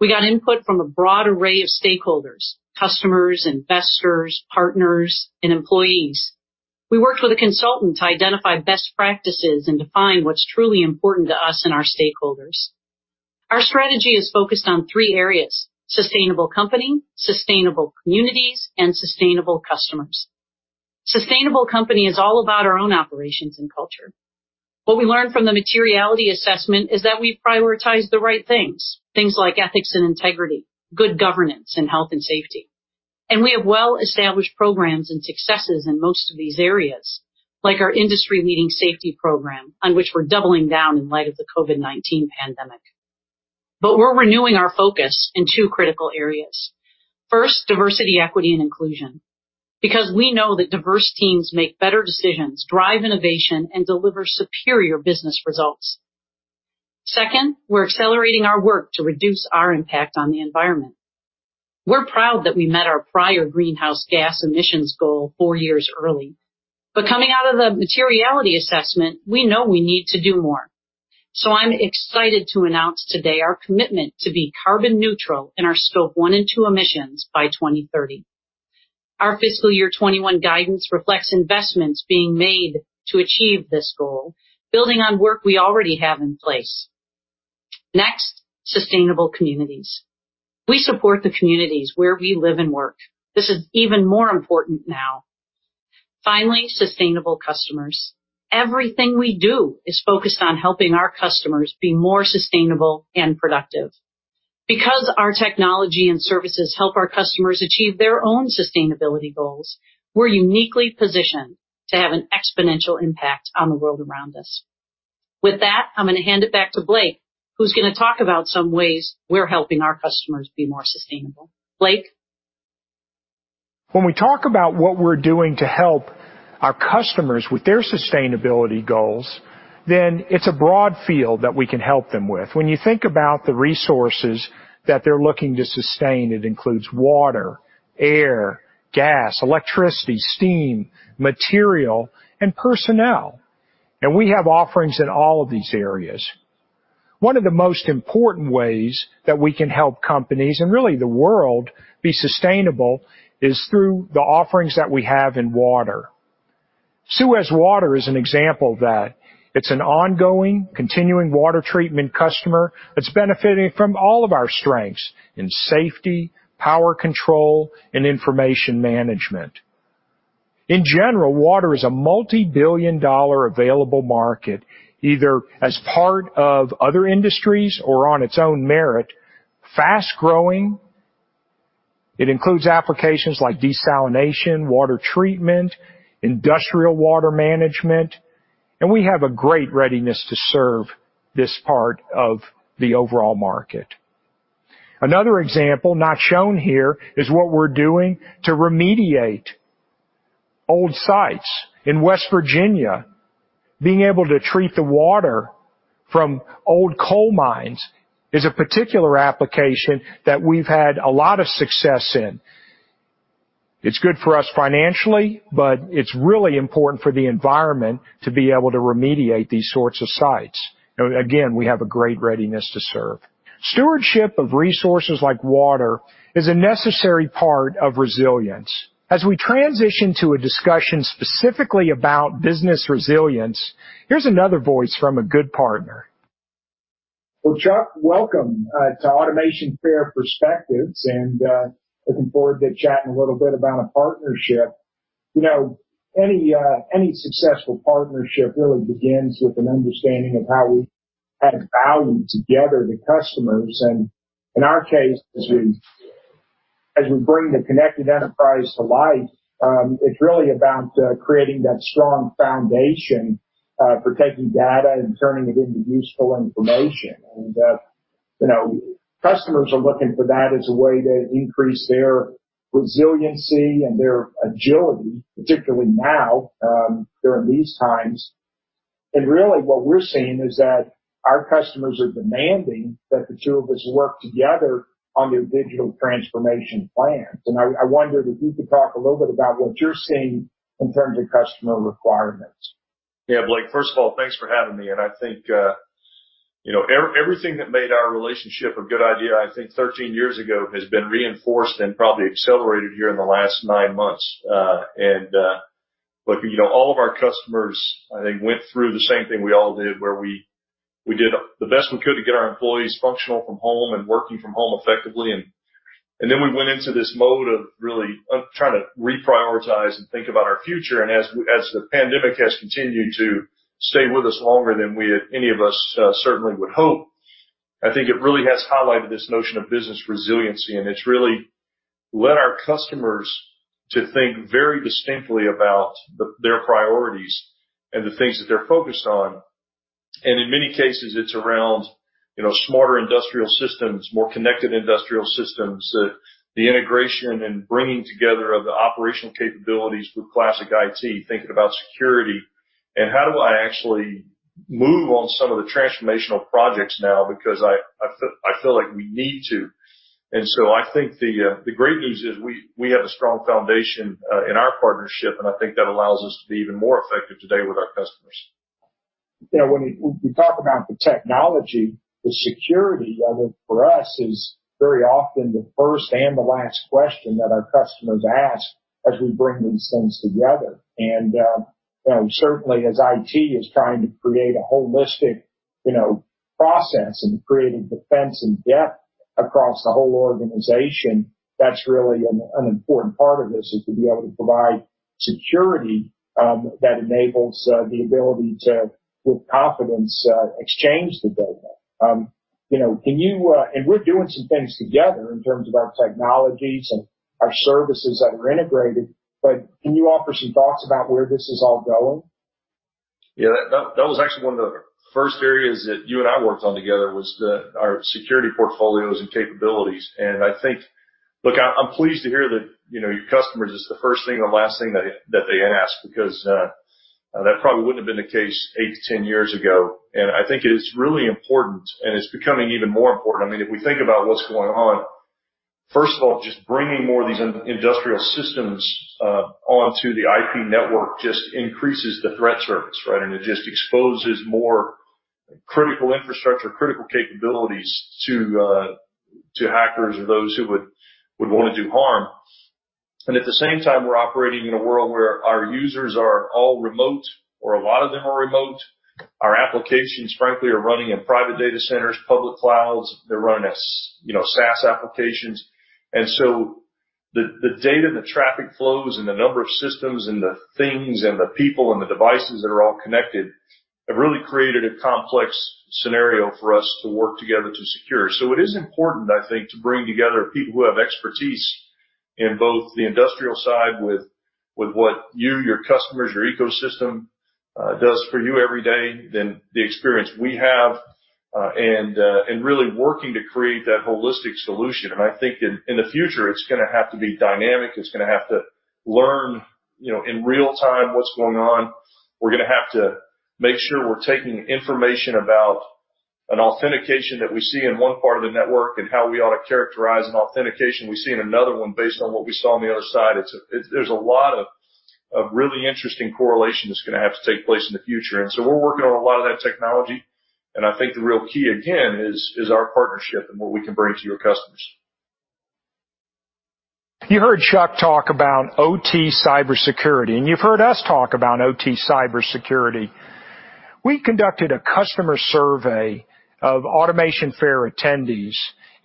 We got input from a broad array of stakeholders, customers, investors, partners, and employees. We worked with a consultant to identify best practices and define what's truly important to us and our stakeholders. Our strategy is focused on three areas: sustainable company, sustainable communities, and sustainable customers. Sustainable company is all about our own operations and culture. What we learned from the materiality assessment is that we prioritize the right things like ethics and integrity, good governance, and health and safety. We have well-established programs and successes in most of these areas, like our industry-leading safety program, on which we're doubling down in light of the COVID-19 pandemic. We're renewing our focus in two critical areas. First, diversity, equity, and inclusion, because we know that diverse teams make better decisions, drive innovation, and deliver superior business results. Second, we're accelerating our work to reduce our impact on the environment. We're proud that we met our prior greenhouse gas emissions goal four years early, but coming out of the materiality assessment, we know we need to do more. I'm excited to announce today our commitment to be carbon neutral in our Scope 1 and 2 emissions by 2030. Our fiscal year 2021 guidance reflects investments being made to achieve this goal, building on work we already have in place. Next, sustainable communities. We support the communities where we live and work. This is even more important now. Finally, sustainable customers. Everything we do is focused on helping our customers be more sustainable and productive. Because our technology and services help our customers achieve their own sustainability goals, we're uniquely positioned to have an exponential impact on the world around us. With that, I'm going to hand it back to Blake, who's going to talk about some ways we're helping our customers be more sustainable. Blake? When we talk about what we're doing to help our customers with their sustainability goals, then it's a broad field that we can help them with. When you think about the resources that they're looking to sustain, it includes water, air, gas, electricity, steam, material, and personnel, and we have offerings in all of these areas. One of the most important ways that we can help companies, and really the world, be sustainable is through the offerings that we have in water. SUEZ Water is an example of that. It's an ongoing, continuing water treatment customer that's benefiting from all of our strengths in safety, power control, and information management. In general, water is a multibillion-dollar available market, either as part of other industries or on its own merit, fast-growing. It includes applications like desalination, water treatment, industrial water management, and we have a great readiness to serve this part of the overall market. Another example, not shown here, is what we're doing to remediate old sites in West Virginia. Being able to treat the water from old coal mines is a particular application that we've had a lot of success in. It's good for us financially, but it's really important for the environment to be able to remediate these sorts of sites. Again, we have a great readiness to serve. Stewardship of resources like water is a necessary part of resilience. As we transition to a discussion specifically about business resilience, here's another voice from a good partner. Well, Chuck, welcome to Automation Fair Perspectives, and looking forward to chatting a little bit about our partnership. Any successful partnership really begins with an understanding of how we add value together to customers. In our case, as we bring the Connected Enterprise to life, it's really about creating that strong foundation for taking data and turning it into useful information. Customers are looking for that as a way to increase their resiliency and their agility, particularly now, during these times. Really what we're seeing is that our customers are demanding that the two of us work together on their digital transformation plans. I wonder if you could talk a little bit about what you're seeing in terms of customer requirements. Yeah, Blake, first of all, thanks for having me. I think everything that made our relationship a good idea, I think 13 years ago, has been reinforced and probably accelerated here in the last nine months. Look, all of our customers, I think, went through the same thing we all did, where we did the best we could to get our employees functional from home and working from home effectively. Then we went into this mode of really trying to reprioritize and think about our future. As the pandemic has continued to stay with us longer than any of us certainly would hope, I think it really has highlighted this notion of business resiliency, and it's really led our customers to think very distinctly about their priorities and the things that they're focused on. In many cases, it's around smarter industrial systems, more connected industrial systems, the integration and bringing together of the operational capabilities with classic IT, thinking about security, and how do I actually move on some of the transformational projects now because I feel like we need to. I think the great news is we have a strong foundation in our partnership, and I think that allows us to be even more effective today with our customers. When you talk about the technology, the security of it for us is very often the first and the last question that our customers ask as we bring these things together. Certainly as IT is trying to create a holistic process and create a defense in depth across the whole organization, that's really an important part of this, is to be able to provide security that enables the ability to, with confidence, exchange the data. We're doing some things together in terms of our technologies and our services that are integrated, but can you offer some thoughts about where this is all going? Yeah, that was actually one of the first areas that you and I worked on together was our security portfolios and capabilities. Look, I'm pleased to hear that your customers, it's the first thing and last thing that they ask because that probably wouldn't have been the case 8-10 years ago. I think it is really important, and it's becoming even more important. If we think about what's going on, first of all, just bringing more of these industrial systems onto the IP network just increases the threat surface, right? It just exposes more critical infrastructure, critical capabilities to hackers or those who would want to do harm. At the same time, we're operating in a world where our users are all remote, or a lot of them are remote. Our applications, frankly, are running in private data centers, public clouds. They're running as SaaS applications. The data, the traffic flows, and the number of systems and the things and the people and the devices that are all connected have really created a complex scenario for us to work together to secure. It is important, I think, to bring together people who have expertise in both the industrial side with what you, your customers, your ecosystem does for you every day, then the experience we have, and really working to create that holistic solution. I think in the future, it's going to have to be dynamic. It's going to have to learn in real time what's going on. We're going to have to make sure we're taking information about an authentication that we see in one part of the network and how we ought to characterize an authentication we see in another one based on what we saw on the other side. There's a lot of really interesting correlation that's going to have to take place in the future. We're working on a lot of that technology. I think the real key again, is our partnership and what we can bring to your customers. You heard Chuck talk about OT cybersecurity, and you've heard us talk about OT cybersecurity. We conducted a customer survey of Automation Fair attendees,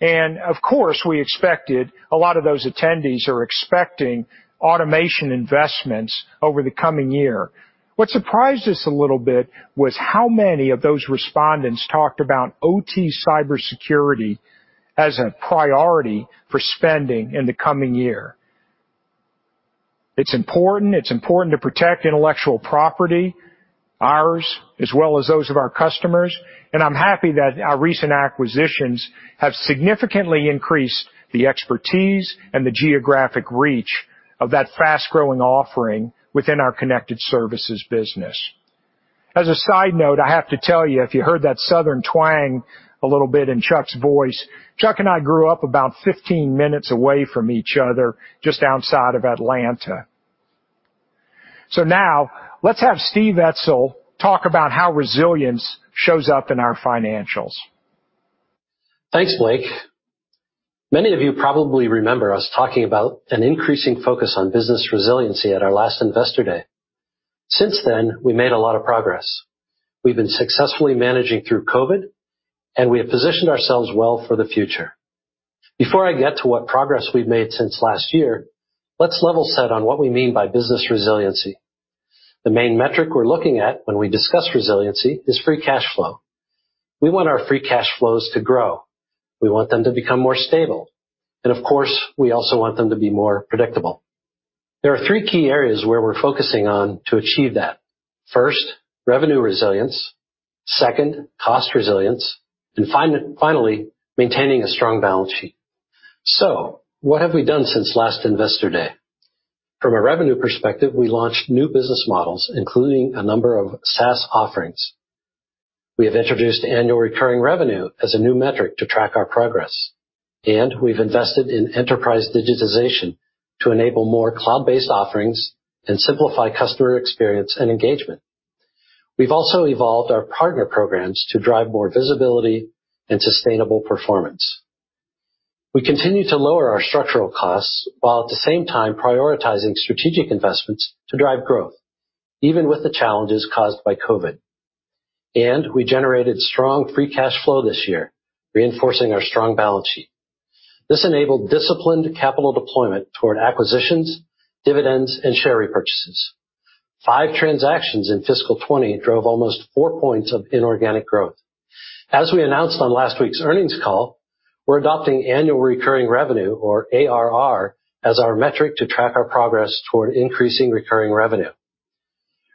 and of course, we expected a lot of those attendees are expecting automation investments over the coming year. What surprised us a little bit was how many of those respondents talked about OT cybersecurity as a priority for spending in the coming year. It's important. It's important to protect intellectual property, ours, as well as those of our customers. I'm happy that our recent acquisitions have significantly increased the expertise and the geographic reach of that fast-growing offering within our connected services business. As a side note, I have to tell you, if you heard that Southern twang a little bit in Chuck's voice, Chuck and I grew up about 15 minutes away from each other, just outside of Atlanta. Now let's have Steve Etzel talk about how resilience shows up in our financials. Thanks, Blake. Many of you probably remember us talking about an increasing focus on business resiliency at our last Investor Day. Since then, we made a lot of progress. We've been successfully managing through COVID, and we have positioned ourselves well for the future. Before I get to what progress we've made since last year, let's level set on what we mean by business resiliency. The main metric we're looking at when we discuss resiliency is free cash flow. We want our free cash flows to grow. We want them to become more stable. Of course, we also want them to be more predictable. There are three key areas where we're focusing on to achieve that. First, revenue resilience. Second, cost resilience. Finally, maintaining a strong balance sheet. What have we done since last Investor Day? From a revenue perspective, we launched new business models, including a number of SaaS offerings. We have introduced annual recurring revenue as a new metric to track our progress, and we've invested in enterprise digitization to enable more cloud-based offerings and simplify customer experience and engagement. We've also evolved our partner programs to drive more visibility and sustainable performance. We continue to lower our structural costs while at the same time prioritizing strategic investments to drive growth, even with the challenges caused by COVID. We generated strong free cash flow this year, reinforcing our strong balance sheet. This enabled disciplined capital deployment toward acquisitions, dividends, and share repurchases. Five transactions in fiscal 2020 drove almost four points of inorganic growth. As we announced on last week's earnings call, we're adopting annual recurring revenue, or ARR, as our metric to track our progress toward increasing recurring revenue.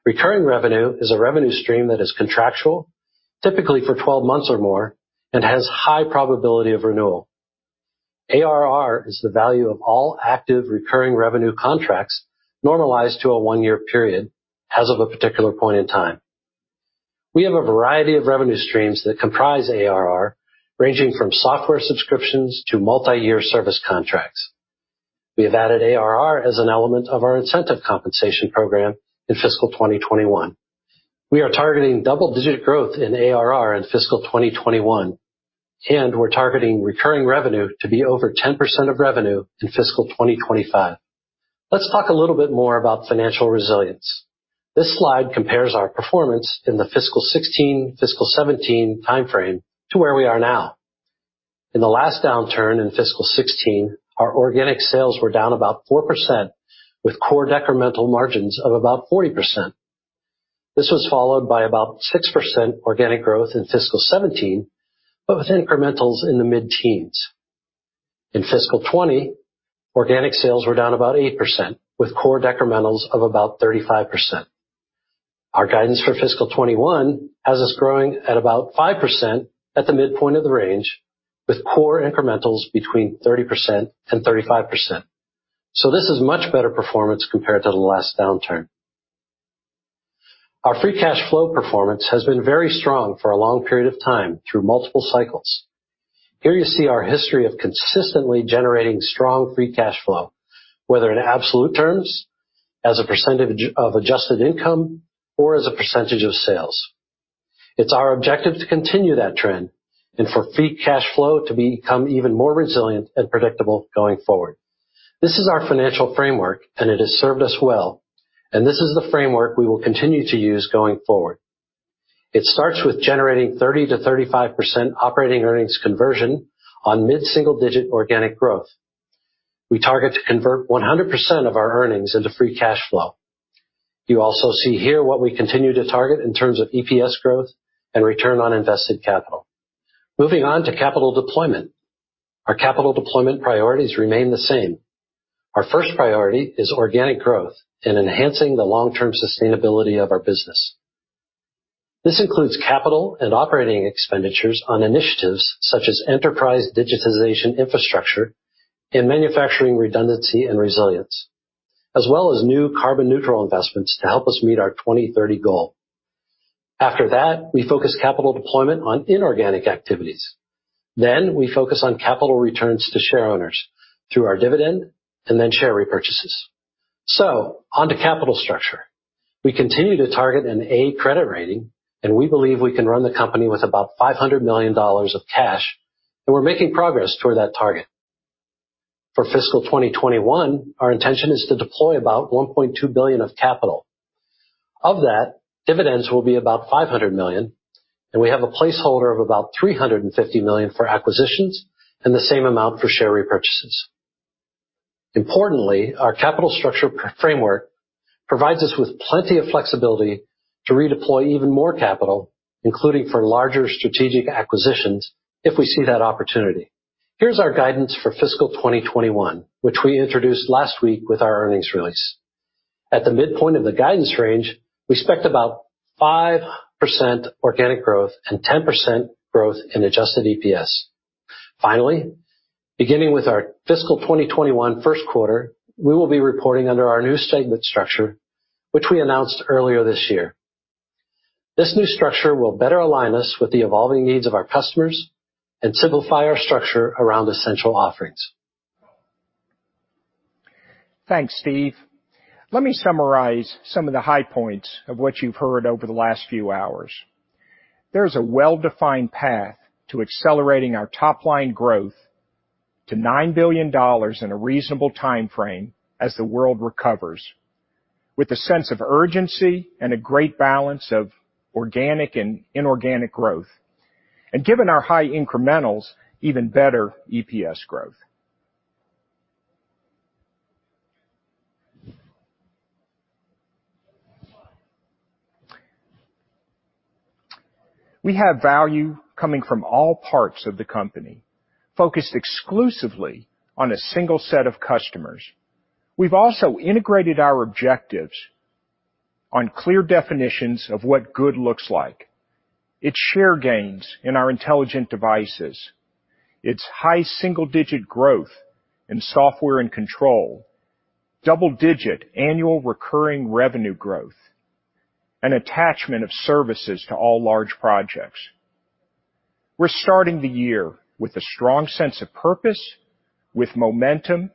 Recurring revenue is a revenue stream that is contractual, typically for 12 months or more, and has high probability of renewal. ARR is the value of all active recurring revenue contracts normalized to a one-year period as of a particular point in time. We have a variety of revenue streams that comprise ARR, ranging from software subscriptions to multi-year service contracts. We have added ARR as an element of our incentive compensation program in fiscal 2021. We are targeting double-digit growth in ARR in fiscal 2021, and we're targeting recurring revenue to be over 10% of revenue in fiscal 2025. Let's talk a little bit more about financial resilience. This slide compares our performance in the fiscal 2016, fiscal 2017 timeframe to where we are now. In the last downturn in fiscal 2016, our organic sales were down about 4% with core decremental margins of about 40%. This was followed by about 6% organic growth in fiscal 2017, with incrementals in the mid-teens. In fiscal 2020, organic sales were down about 8%, with core decrementals of about 35%. Our guidance for fiscal 2021 has us growing at about 5% at the midpoint of the range, with core incrementals between 30% and 35%. This is much better performance compared to the last downturn. Our free cash flow performance has been very strong for a long period of time through multiple cycles. Here you see our history of consistently generating strong free cash flow, whether in absolute terms, as a percentage of adjusted income, or as a percentage of sales. It's our objective to continue that trend and for free cash flow to become even more resilient and predictable going forward. This is our financial framework, and it has served us well, and this is the framework we will continue to use going forward. It starts with generating 30%-35% operating earnings conversion on mid-single-digit organic growth. We target to convert 100% of our earnings into free cash flow. You also see here what we continue to target in terms of EPS growth and return on invested capital. Moving on to capital deployment. Our capital deployment priorities remain the same. Our first priority is organic growth and enhancing the long-term sustainability of our business. This includes capital and operating expenditures on initiatives such as enterprise digitization infrastructure and manufacturing redundancy and resilience, as well as new carbon neutral investments to help us meet our 2030 goal. After that, we focus capital deployment on inorganic activities. We focus on capital returns to shareowners through our dividend and then share repurchases. Onto capital structure. We continue to target an A credit rating, and we believe we can run the company with about $500 million of cash, and we're making progress toward that target. For fiscal 2021, our intention is to deploy about $1.2 billion of capital. Of that, dividends will be about $500 million, and we have a placeholder of about $350 million for acquisitions and the same amount for share repurchases. Importantly, our capital structure framework provides us with plenty of flexibility to redeploy even more capital, including for larger strategic acquisitions if we see that opportunity. Here's our guidance for fiscal 2021, which we introduced last week with our earnings release. At the midpoint of the guidance range, we expect about 5% organic growth and 10% growth in adjusted EPS. Finally, beginning with our fiscal 2021 first quarter, we will be reporting under our new segment structure, which we announced earlier this year. This new structure will better align us with the evolving needs of our customers and simplify our structure around essential offerings. Thanks, Steve. Let me summarize some of the high points of what you've heard over the last few hours. There's a well-defined path to accelerating our top-line growth to $9 billion in a reasonable timeframe as the world recovers, with a sense of urgency and a great balance of organic and inorganic growth. Given our high incrementals, even better EPS growth. We have value coming from all parts of the company, focused exclusively on a single set of customers. We've also integrated our objectives on clear definitions of what good looks like. It's share gains in our Intelligent Devices. It's high single-digit growth in software and control, double-digit annual recurring revenue growth, and attachment of services to all large projects. We're starting the year with a strong sense of purpose, with momentum,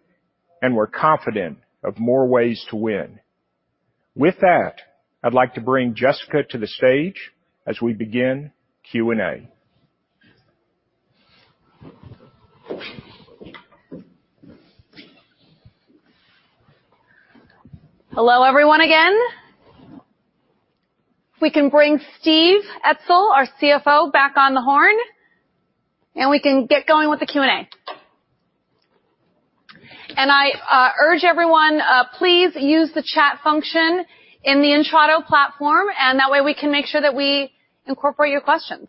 and we're confident of more ways to win. With that, I'd like to bring Jessica to the stage as we begin Q&A. Hello, everyone, again. If we can bring Steve Etzel, our CFO, back on the horn, and we can get going with the Q&A. I urge everyone, please use the chat function in the Intrado platform, and that way we can make sure that we incorporate your questions.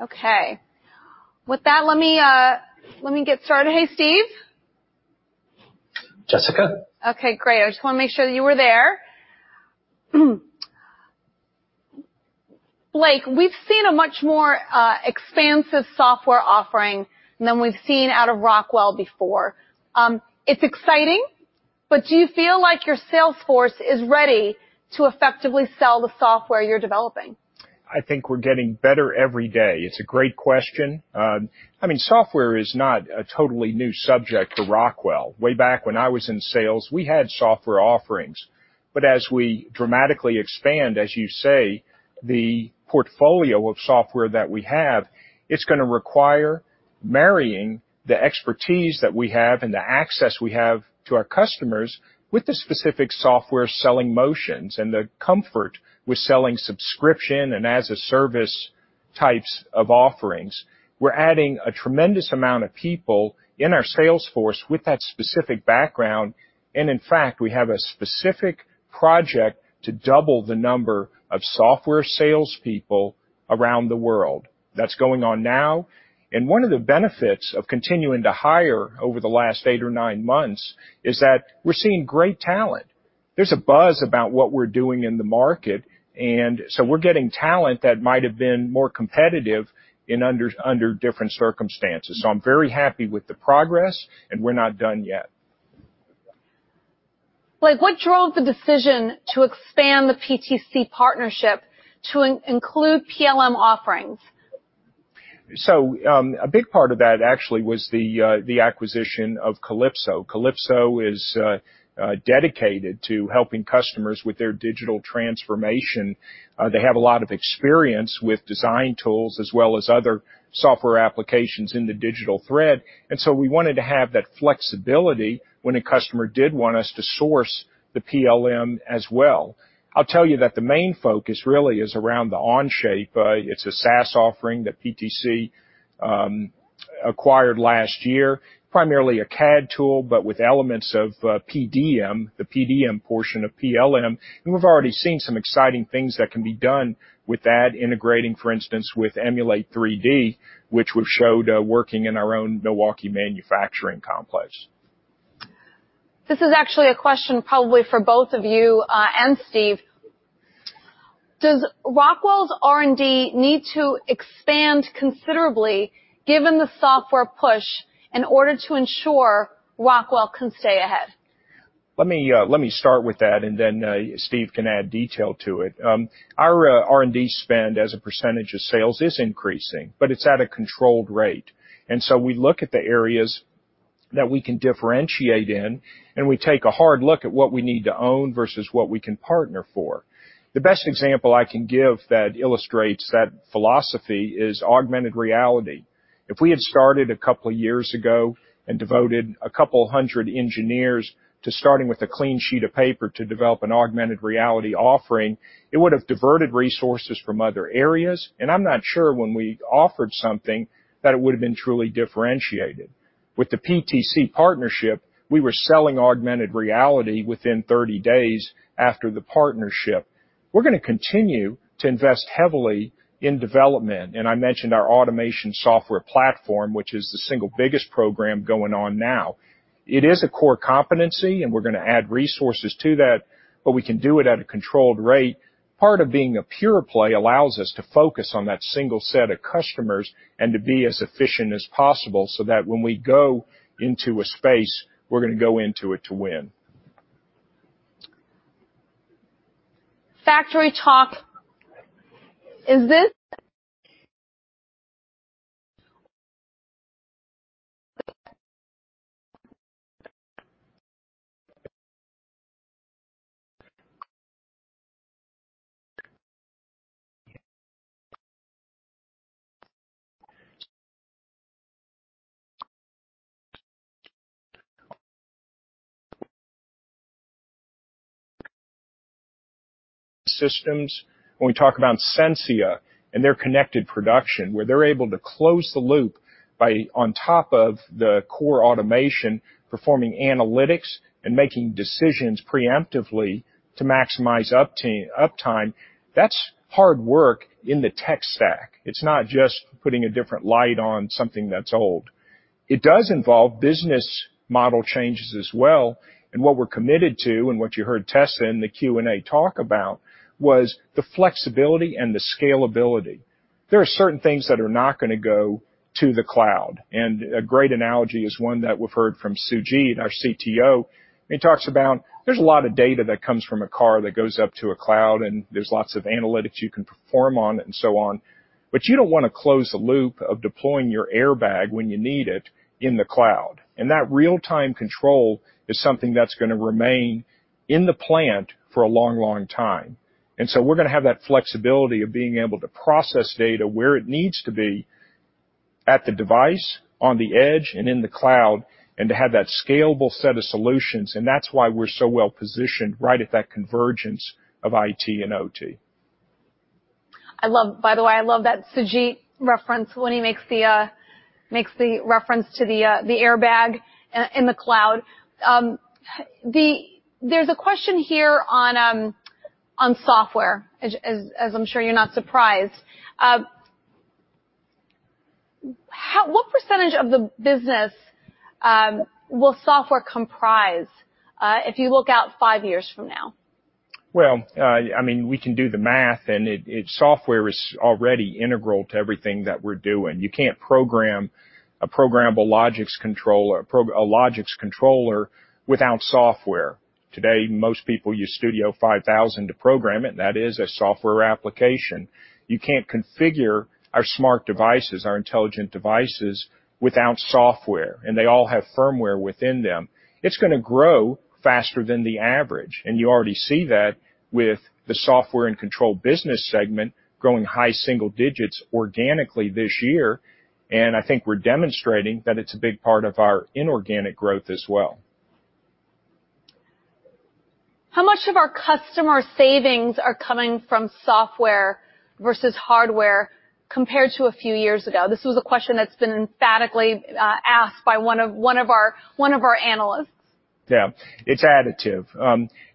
Okay. With that, let me get started. Hey, Steve. Jessica. Okay, great. I just want to make sure that you were there. Blake, we've seen a much more expansive software offering than we've seen out of Rockwell before. It's exciting, but do you feel like your sales force is ready to effectively sell the software you're developing? I think we're getting better every day. It's a great question. Software is not a totally new subject to Rockwell. Way back when I was in sales, we had software offerings. But as we dramatically expand, as you say, the portfolio of software that we have, it's going to require marrying the expertise that we have and the access we have to our customers with the specific software selling motions and the comfort with selling subscription and as-a-service types of offerings. We're adding a tremendous amount of people in our sales force with that specific background and, in fact, we have a specific project to double the number of software salespeople around the world. That's going on now, and one of the benefits of continuing to hire over the last eight or nine months is that we're seeing great talent. There's a buzz about what we're doing in the market, we're getting talent that might have been more competitive under different circumstances. I'm very happy with the progress, and we're not done yet. Blake, what drove the decision to expand the PTC partnership to include PLM offerings? A big part of that actually was the acquisition of Kalypso. Kalypso is dedicated to helping customers with their digital transformation. They have a lot of experience with design tools as well as other software applications in the digital thread, we wanted to have that flexibility when a customer did want us to source the PLM as well. I'll tell you that the main focus really is around the Onshape. It's a SaaS offering that PTC acquired last year, primarily a CAD tool, but with elements of PDM, the PDM portion of PLM, we've already seen some exciting things that can be done with that integrating, for instance, with Emulate3D, which we've showed working in our own Milwaukee manufacturing complex. This is actually a question probably for both of you and Steve. Does Rockwell's R&D need to expand considerably, given the software push, in order to ensure Rockwell can stay ahead? Let me start with that. Then Steve can add detail to it. Our R&D spend as a percentage of sales is increasing, it's at a controlled rate. We look at the areas that we can differentiate in, and we take a hard look at what we need to own versus what we can partner for. The best example I can give that illustrates that philosophy is augmented reality. If we had started a couple of years ago and devoted a couple of hundred engineers to starting with a clean sheet of paper to develop an augmented reality offering, it would have diverted resources from other areas, and I'm not sure when we offered something that it would have been truly differentiated. With the PTC partnership, we were selling augmented reality within 30 days after the partnership. We're going to continue to invest heavily in development, and I mentioned our automation software platform, which is the single biggest program going on now. It is a core competency, and we're going to add resources to that, but we can do it at a controlled rate. Part of being a pure play allows us to focus on that single set of customers and to be as efficient as possible so that when we go into a space, we're going to go into it to win. FactoryTalk, is this? Systems. When we talk about Sensia and their ConnectedProduction, where they're able to close the loop by, on top of the core automation, performing analytics and making decisions preemptively to maximize uptime. That's hard work in the tech stack. It's not just putting a different light on something that's old. It does involve business model changes as well. What we're committed to, and what you heard Tessa in the Q&A talk about, was the flexibility and the scalability. There are certain things that are not going to go to the cloud, and a great analogy is one that we've heard from Sujeet, our CTO, and he talks about there's a lot of data that comes from a car that goes up to a cloud, and there's lots of analytics you can perform on it, and so on. You don't want to close the loop of deploying your airbag when you need it in the cloud. That real-time control is something that's going to remain in the plant for a long time. We're going to have that flexibility of being able to process data where it needs to be at the device, on the edge, and in the cloud, and to have that scalable set of solutions. That's why we're so well positioned right at that convergence of IT and OT. By the way, I love that Sujeet reference, when he makes the reference to the airbag in the cloud. There's a question here on software, as I'm sure you're not surprised. What percentage of the business will software comprise, if you look out five years from now? Well, we can do the math, software is already integral to everything that we're doing. You can't program a programmable logic controller without software. Today, most people use Studio 5000 to program it, and that is a software application. You can't configure our smart devices, our intelligent devices, without software, and they all have firmware within them. It's going to grow faster than the average, and you already see that with the software and control business segment growing high single digits organically this year. I think we're demonstrating that it's a big part of our inorganic growth as well. How much of our customer savings are coming from software versus hardware compared to a few years ago? This was a question that's been emphatically asked by one of our analysts. It's additive.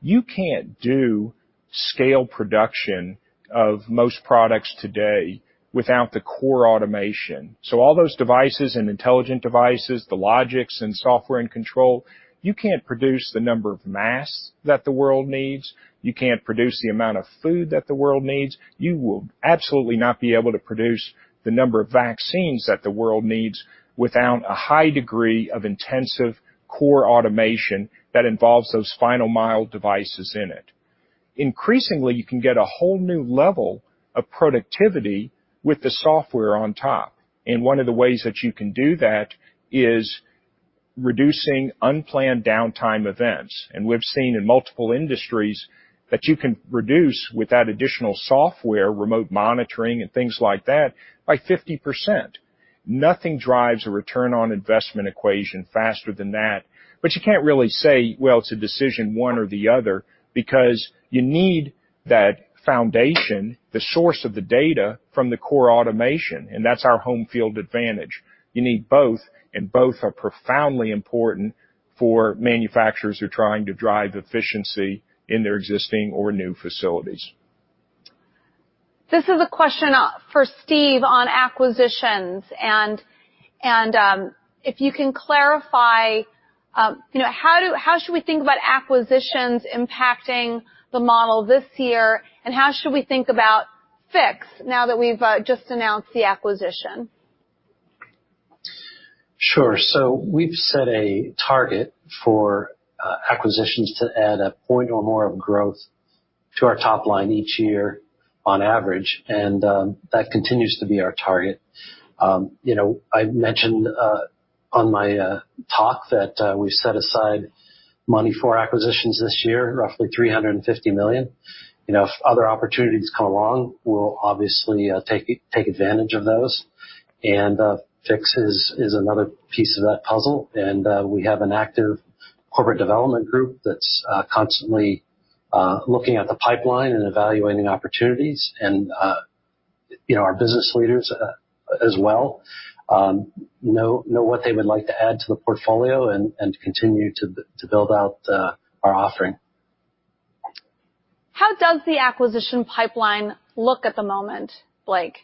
You can't do scale production of most products today without the core automation. All those devices and intelligent devices, the Logix and software and control, you can't produce the number of masks that the world needs. You can't produce the amount of food that the world needs. You will absolutely not be able to produce the number of vaccines that the world needs without a high degree of intensive core automation that involves those final mile devices in it. Increasingly, you can get a whole new level of productivity with the software on top. One of the ways that you can do that is reducing unplanned downtime events. We've seen in multiple industries that you can reduce without additional software, remote monitoring, and things like that by 50%. Nothing drives a return on investment equation faster than that. You can't really say, well, it's a decision one or the other, because you need that foundation, the source of the data from the core automation, and that's our home field advantage. You need both are profoundly important for manufacturers who are trying to drive efficiency in their existing or new facilities. This is a question for Steve on acquisitions, and if you can clarify, how should we think about acquisitions impacting the model this year, and how should we think about Fiix now that we've just announced the acquisition? Sure. We've set a target for acquisitions to add a point or more of growth to our top line each year on average. That continues to be our target. I mentioned on my talk that we've set aside money for acquisitions this year, roughly $350 million. If other opportunities come along, we'll obviously take advantage of those. Fiix is another piece of that puzzle. We have an active corporate development group that's constantly looking at the pipeline and evaluating opportunities. Our business leaders as well know what they would like to add to the portfolio and to continue to build out our offering. How does the acquisition pipeline look at the moment, Blake?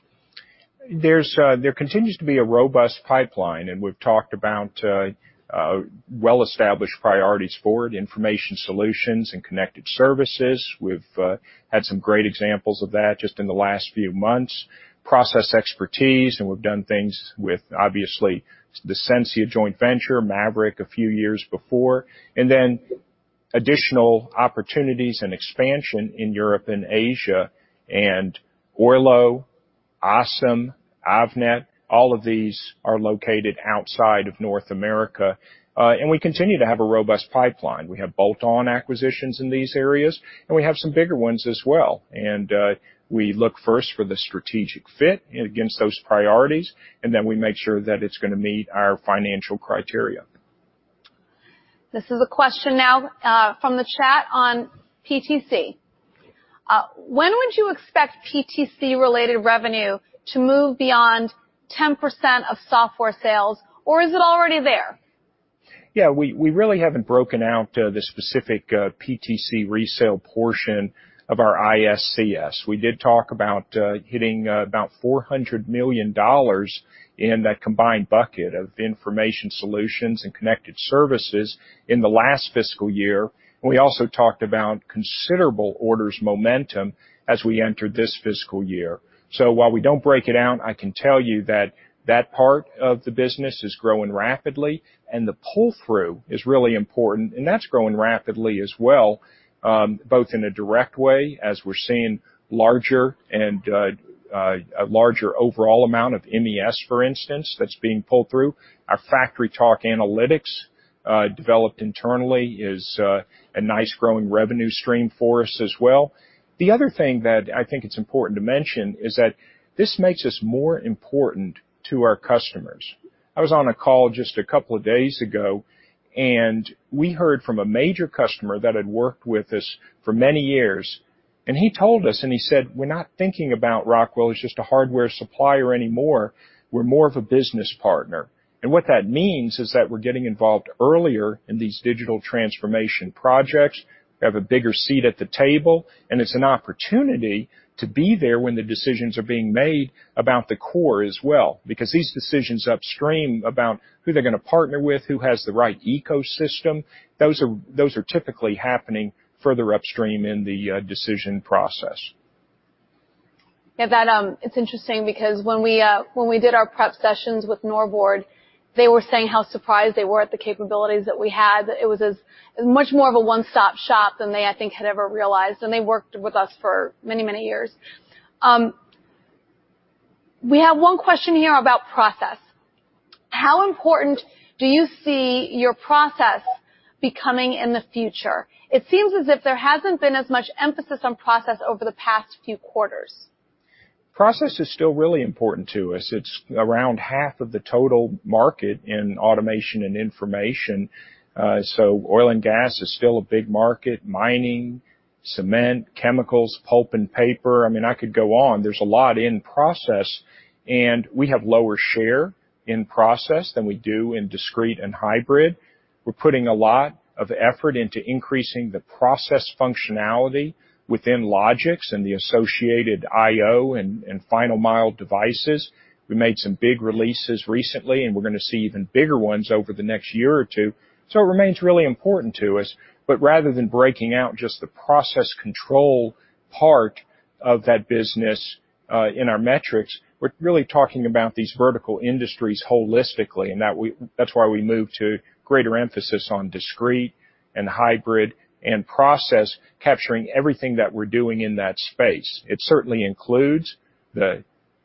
There continues to be a robust pipeline. We've talked about well-established priorities forward, information solutions and connected services. We've had some great examples of that just in the last few months. Process expertise. We've done things with, obviously, the Sensia joint venture, MAVERICK a few years before. Additional opportunities and expansion in Europe and Asia and Oylo, ASEM, Avnet, all of these are located outside of North America. We continue to have a robust pipeline. We have bolt-on acquisitions in these areas, and we have some bigger ones as well, and we look first for the strategic fit against those priorities, and then we make sure that it's going to meet our financial criteria. This is a question now from the chat on PTC. When would you expect PTC-related revenue to move beyond 10% of software sales, or is it already there? Yeah, we really haven't broken out the specific PTC resale portion of our ISCS. We did talk about hitting about $400 million in that combined bucket of information solutions and connected services in the last fiscal year. We also talked about considerable orders momentum as we enter this fiscal year. While we don't break it out, I can tell you that that part of the business is growing rapidly and the pull-through is really important, and that's growing rapidly as well, both in a direct way as we're seeing larger and a larger overall amount of MES, for instance, that's being pulled through. Our FactoryTalk Analytics, developed internally, is a nice growing revenue stream for us as well. The other thing that I think it's important to mention is that this makes us more important to our customers. I was on a call just a couple of days ago, we heard from a major customer that had worked with us for many years, and he told us, and he said, "We're not thinking about Rockwell as just a hardware supplier anymore. We're more of a business partner." What that means is that we're getting involved earlier in these digital transformation projects, we have a bigger seat at the table, and it's an opportunity to be there when the decisions are being made about the core as well. These decisions upstream about who they're going to partner with, who has the right ecosystem, those are typically happening further upstream in the decision process. It's interesting because when we did our prep sessions with Norbord, they were saying how surprised they were at the capabilities that we had, that it was as much more of a one-stop-shop than they, I think, had ever realized, and they worked with us for many, many years. We have one question here about process. How important do you see your process becoming in the future? It seems as if there hasn't been as much emphasis on process over the past few quarters. Process is still really important to us. It's around half of the total market in automation and information. Oil and gas is still a big market, mining, cement, chemicals, pulp and paper. I could go on. There's a lot in process, and we have lower share in process than we do in discrete and hybrid. We're putting a lot of effort into increasing the process functionality within Logix and the associated IO and final mile devices. We made some big releases recently, and we're going to see even bigger ones over the next year or two. It remains really important to us. Rather than breaking out just the process control part of that business in our metrics, we're really talking about these vertical industries holistically, and that's why we move to greater emphasis on discrete and hybrid and process, capturing everything that we're doing in that space. It certainly includes the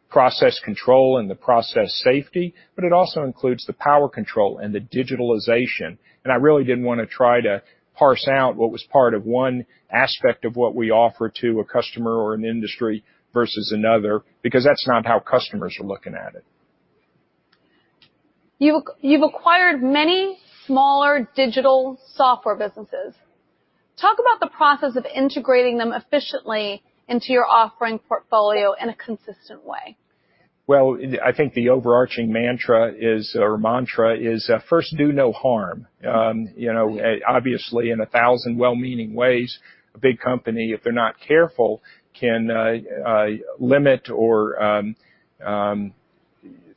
process control and the process safety. It also includes the power control and the digitalization. I really didn't want to try to parse out what was part of one aspect of what we offer to a customer or an industry versus another. That's not how customers are looking at it. You've acquired many smaller digital software businesses. Talk about the process of integrating them efficiently into your offering portfolio in a consistent way. Well, I think the overarching mantra is first do no harm. Obviously, in a thousand well-meaning ways, a big company, if they're not careful, can limit or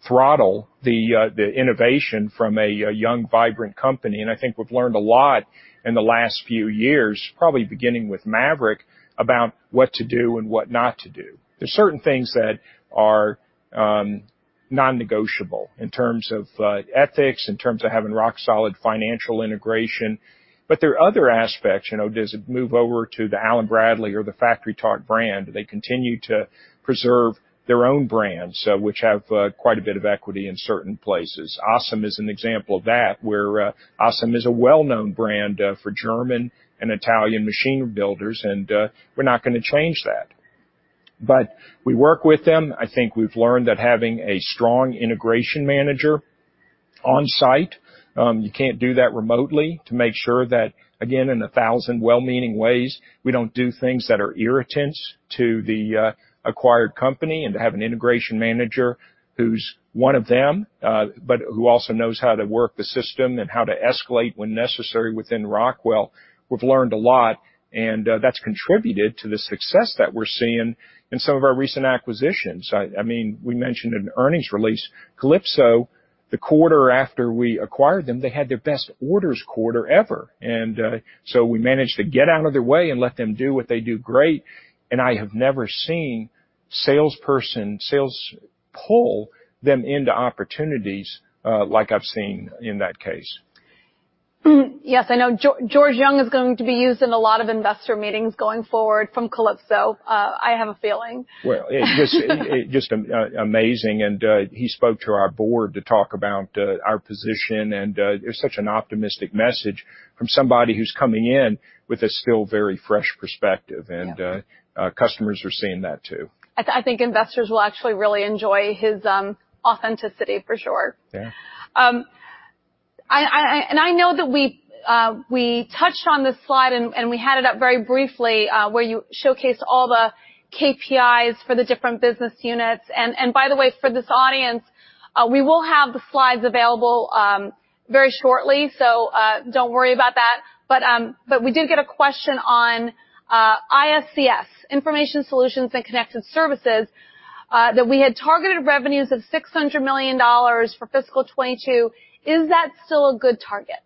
throttle the innovation from a young, vibrant company, and I think we've learned a lot in the last few years, probably beginning with MAVERICK, about what to do and what not to do. There are certain things that are non-negotiable in terms of ethics, in terms of having rock-solid financial integration. There are other aspects, does it move over to the Allen-Bradley or the FactoryTalk brand? Do they continue to preserve their own brands, which have quite a bit of equity in certain places? ASEM is an example of that, where ASEM is a well-known brand for German and Italian machine builders, and we're not going to change that. We work with them. I think we've learned that having a strong integration manager on-site, you can't do that remotely, to make sure that, again, in 1,000 well-meaning ways, we don't do things that are irritants to the acquired company and to have an integration manager who's one of them, but who also knows how to work the system and how to escalate when necessary within Rockwell. That's contributed to the success that we're seeing in some of our recent acquisitions. We mentioned in earnings release, Kalypso, the quarter after we acquired them, they had their best orders quarter ever. We managed to get out of their way and let them do what they do great, and I have never seen salesperson sales pull them into opportunities like I've seen in that case. Yes, I know George Young is going to be used in a lot of investor meetings going forward from Kalypso, I have a feeling. Well, it's just amazing, and he spoke to our board to talk about our position, and it's such an optimistic message from somebody who's coming in with a still very fresh perspective. Yeah. Customers are seeing that too. I think investors will actually really enjoy his authenticity, for sure. Yeah. I know that we touched on this slide, and we had it up very briefly, where you showcased all the KPIs for the different business units. By the way, for this audience, we will have the slides available very shortly, so don't worry about that. We did get a question on ISCS, Information Solutions and Connected Services, that we had targeted revenues of $600 million for fiscal 2022. Is that still a good target?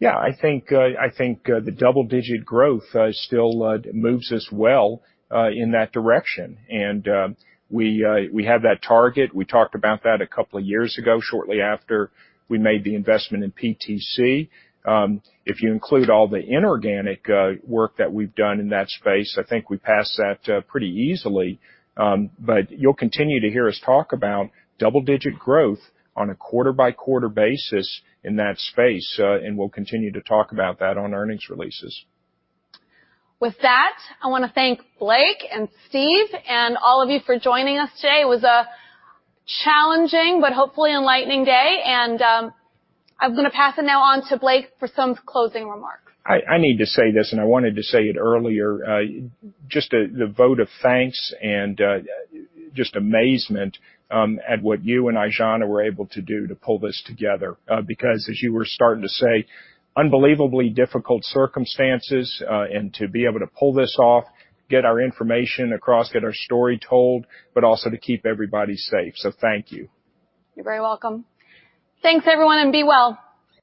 Yeah, I think the double-digit growth still moves us well in that direction. We have that target. We talked about that a couple of years ago, shortly after we made the investment in PTC. If you include all the inorganic work that we've done in that space, I think we passed that pretty easily. You'll continue to hear us talk about double-digit growth on a quarter-by-quarter basis in that space. We'll continue to talk about that on earnings releases. With that, I want to thank Blake and Steve and all of you for joining us today. It was a challenging but hopefully enlightening day. I'm going to pass it now on to Blake for some closing remarks. I need to say this, and I wanted to say it earlier, just a vote of thanks and just amazement at what you and Aijana were able to do to pull this together. As you were starting to say, unbelievably difficult circumstances, and to be able to pull this off, get our information across, get our story told, but also to keep everybody safe, so thank you. You're very welcome. Thanks, everyone, and be well.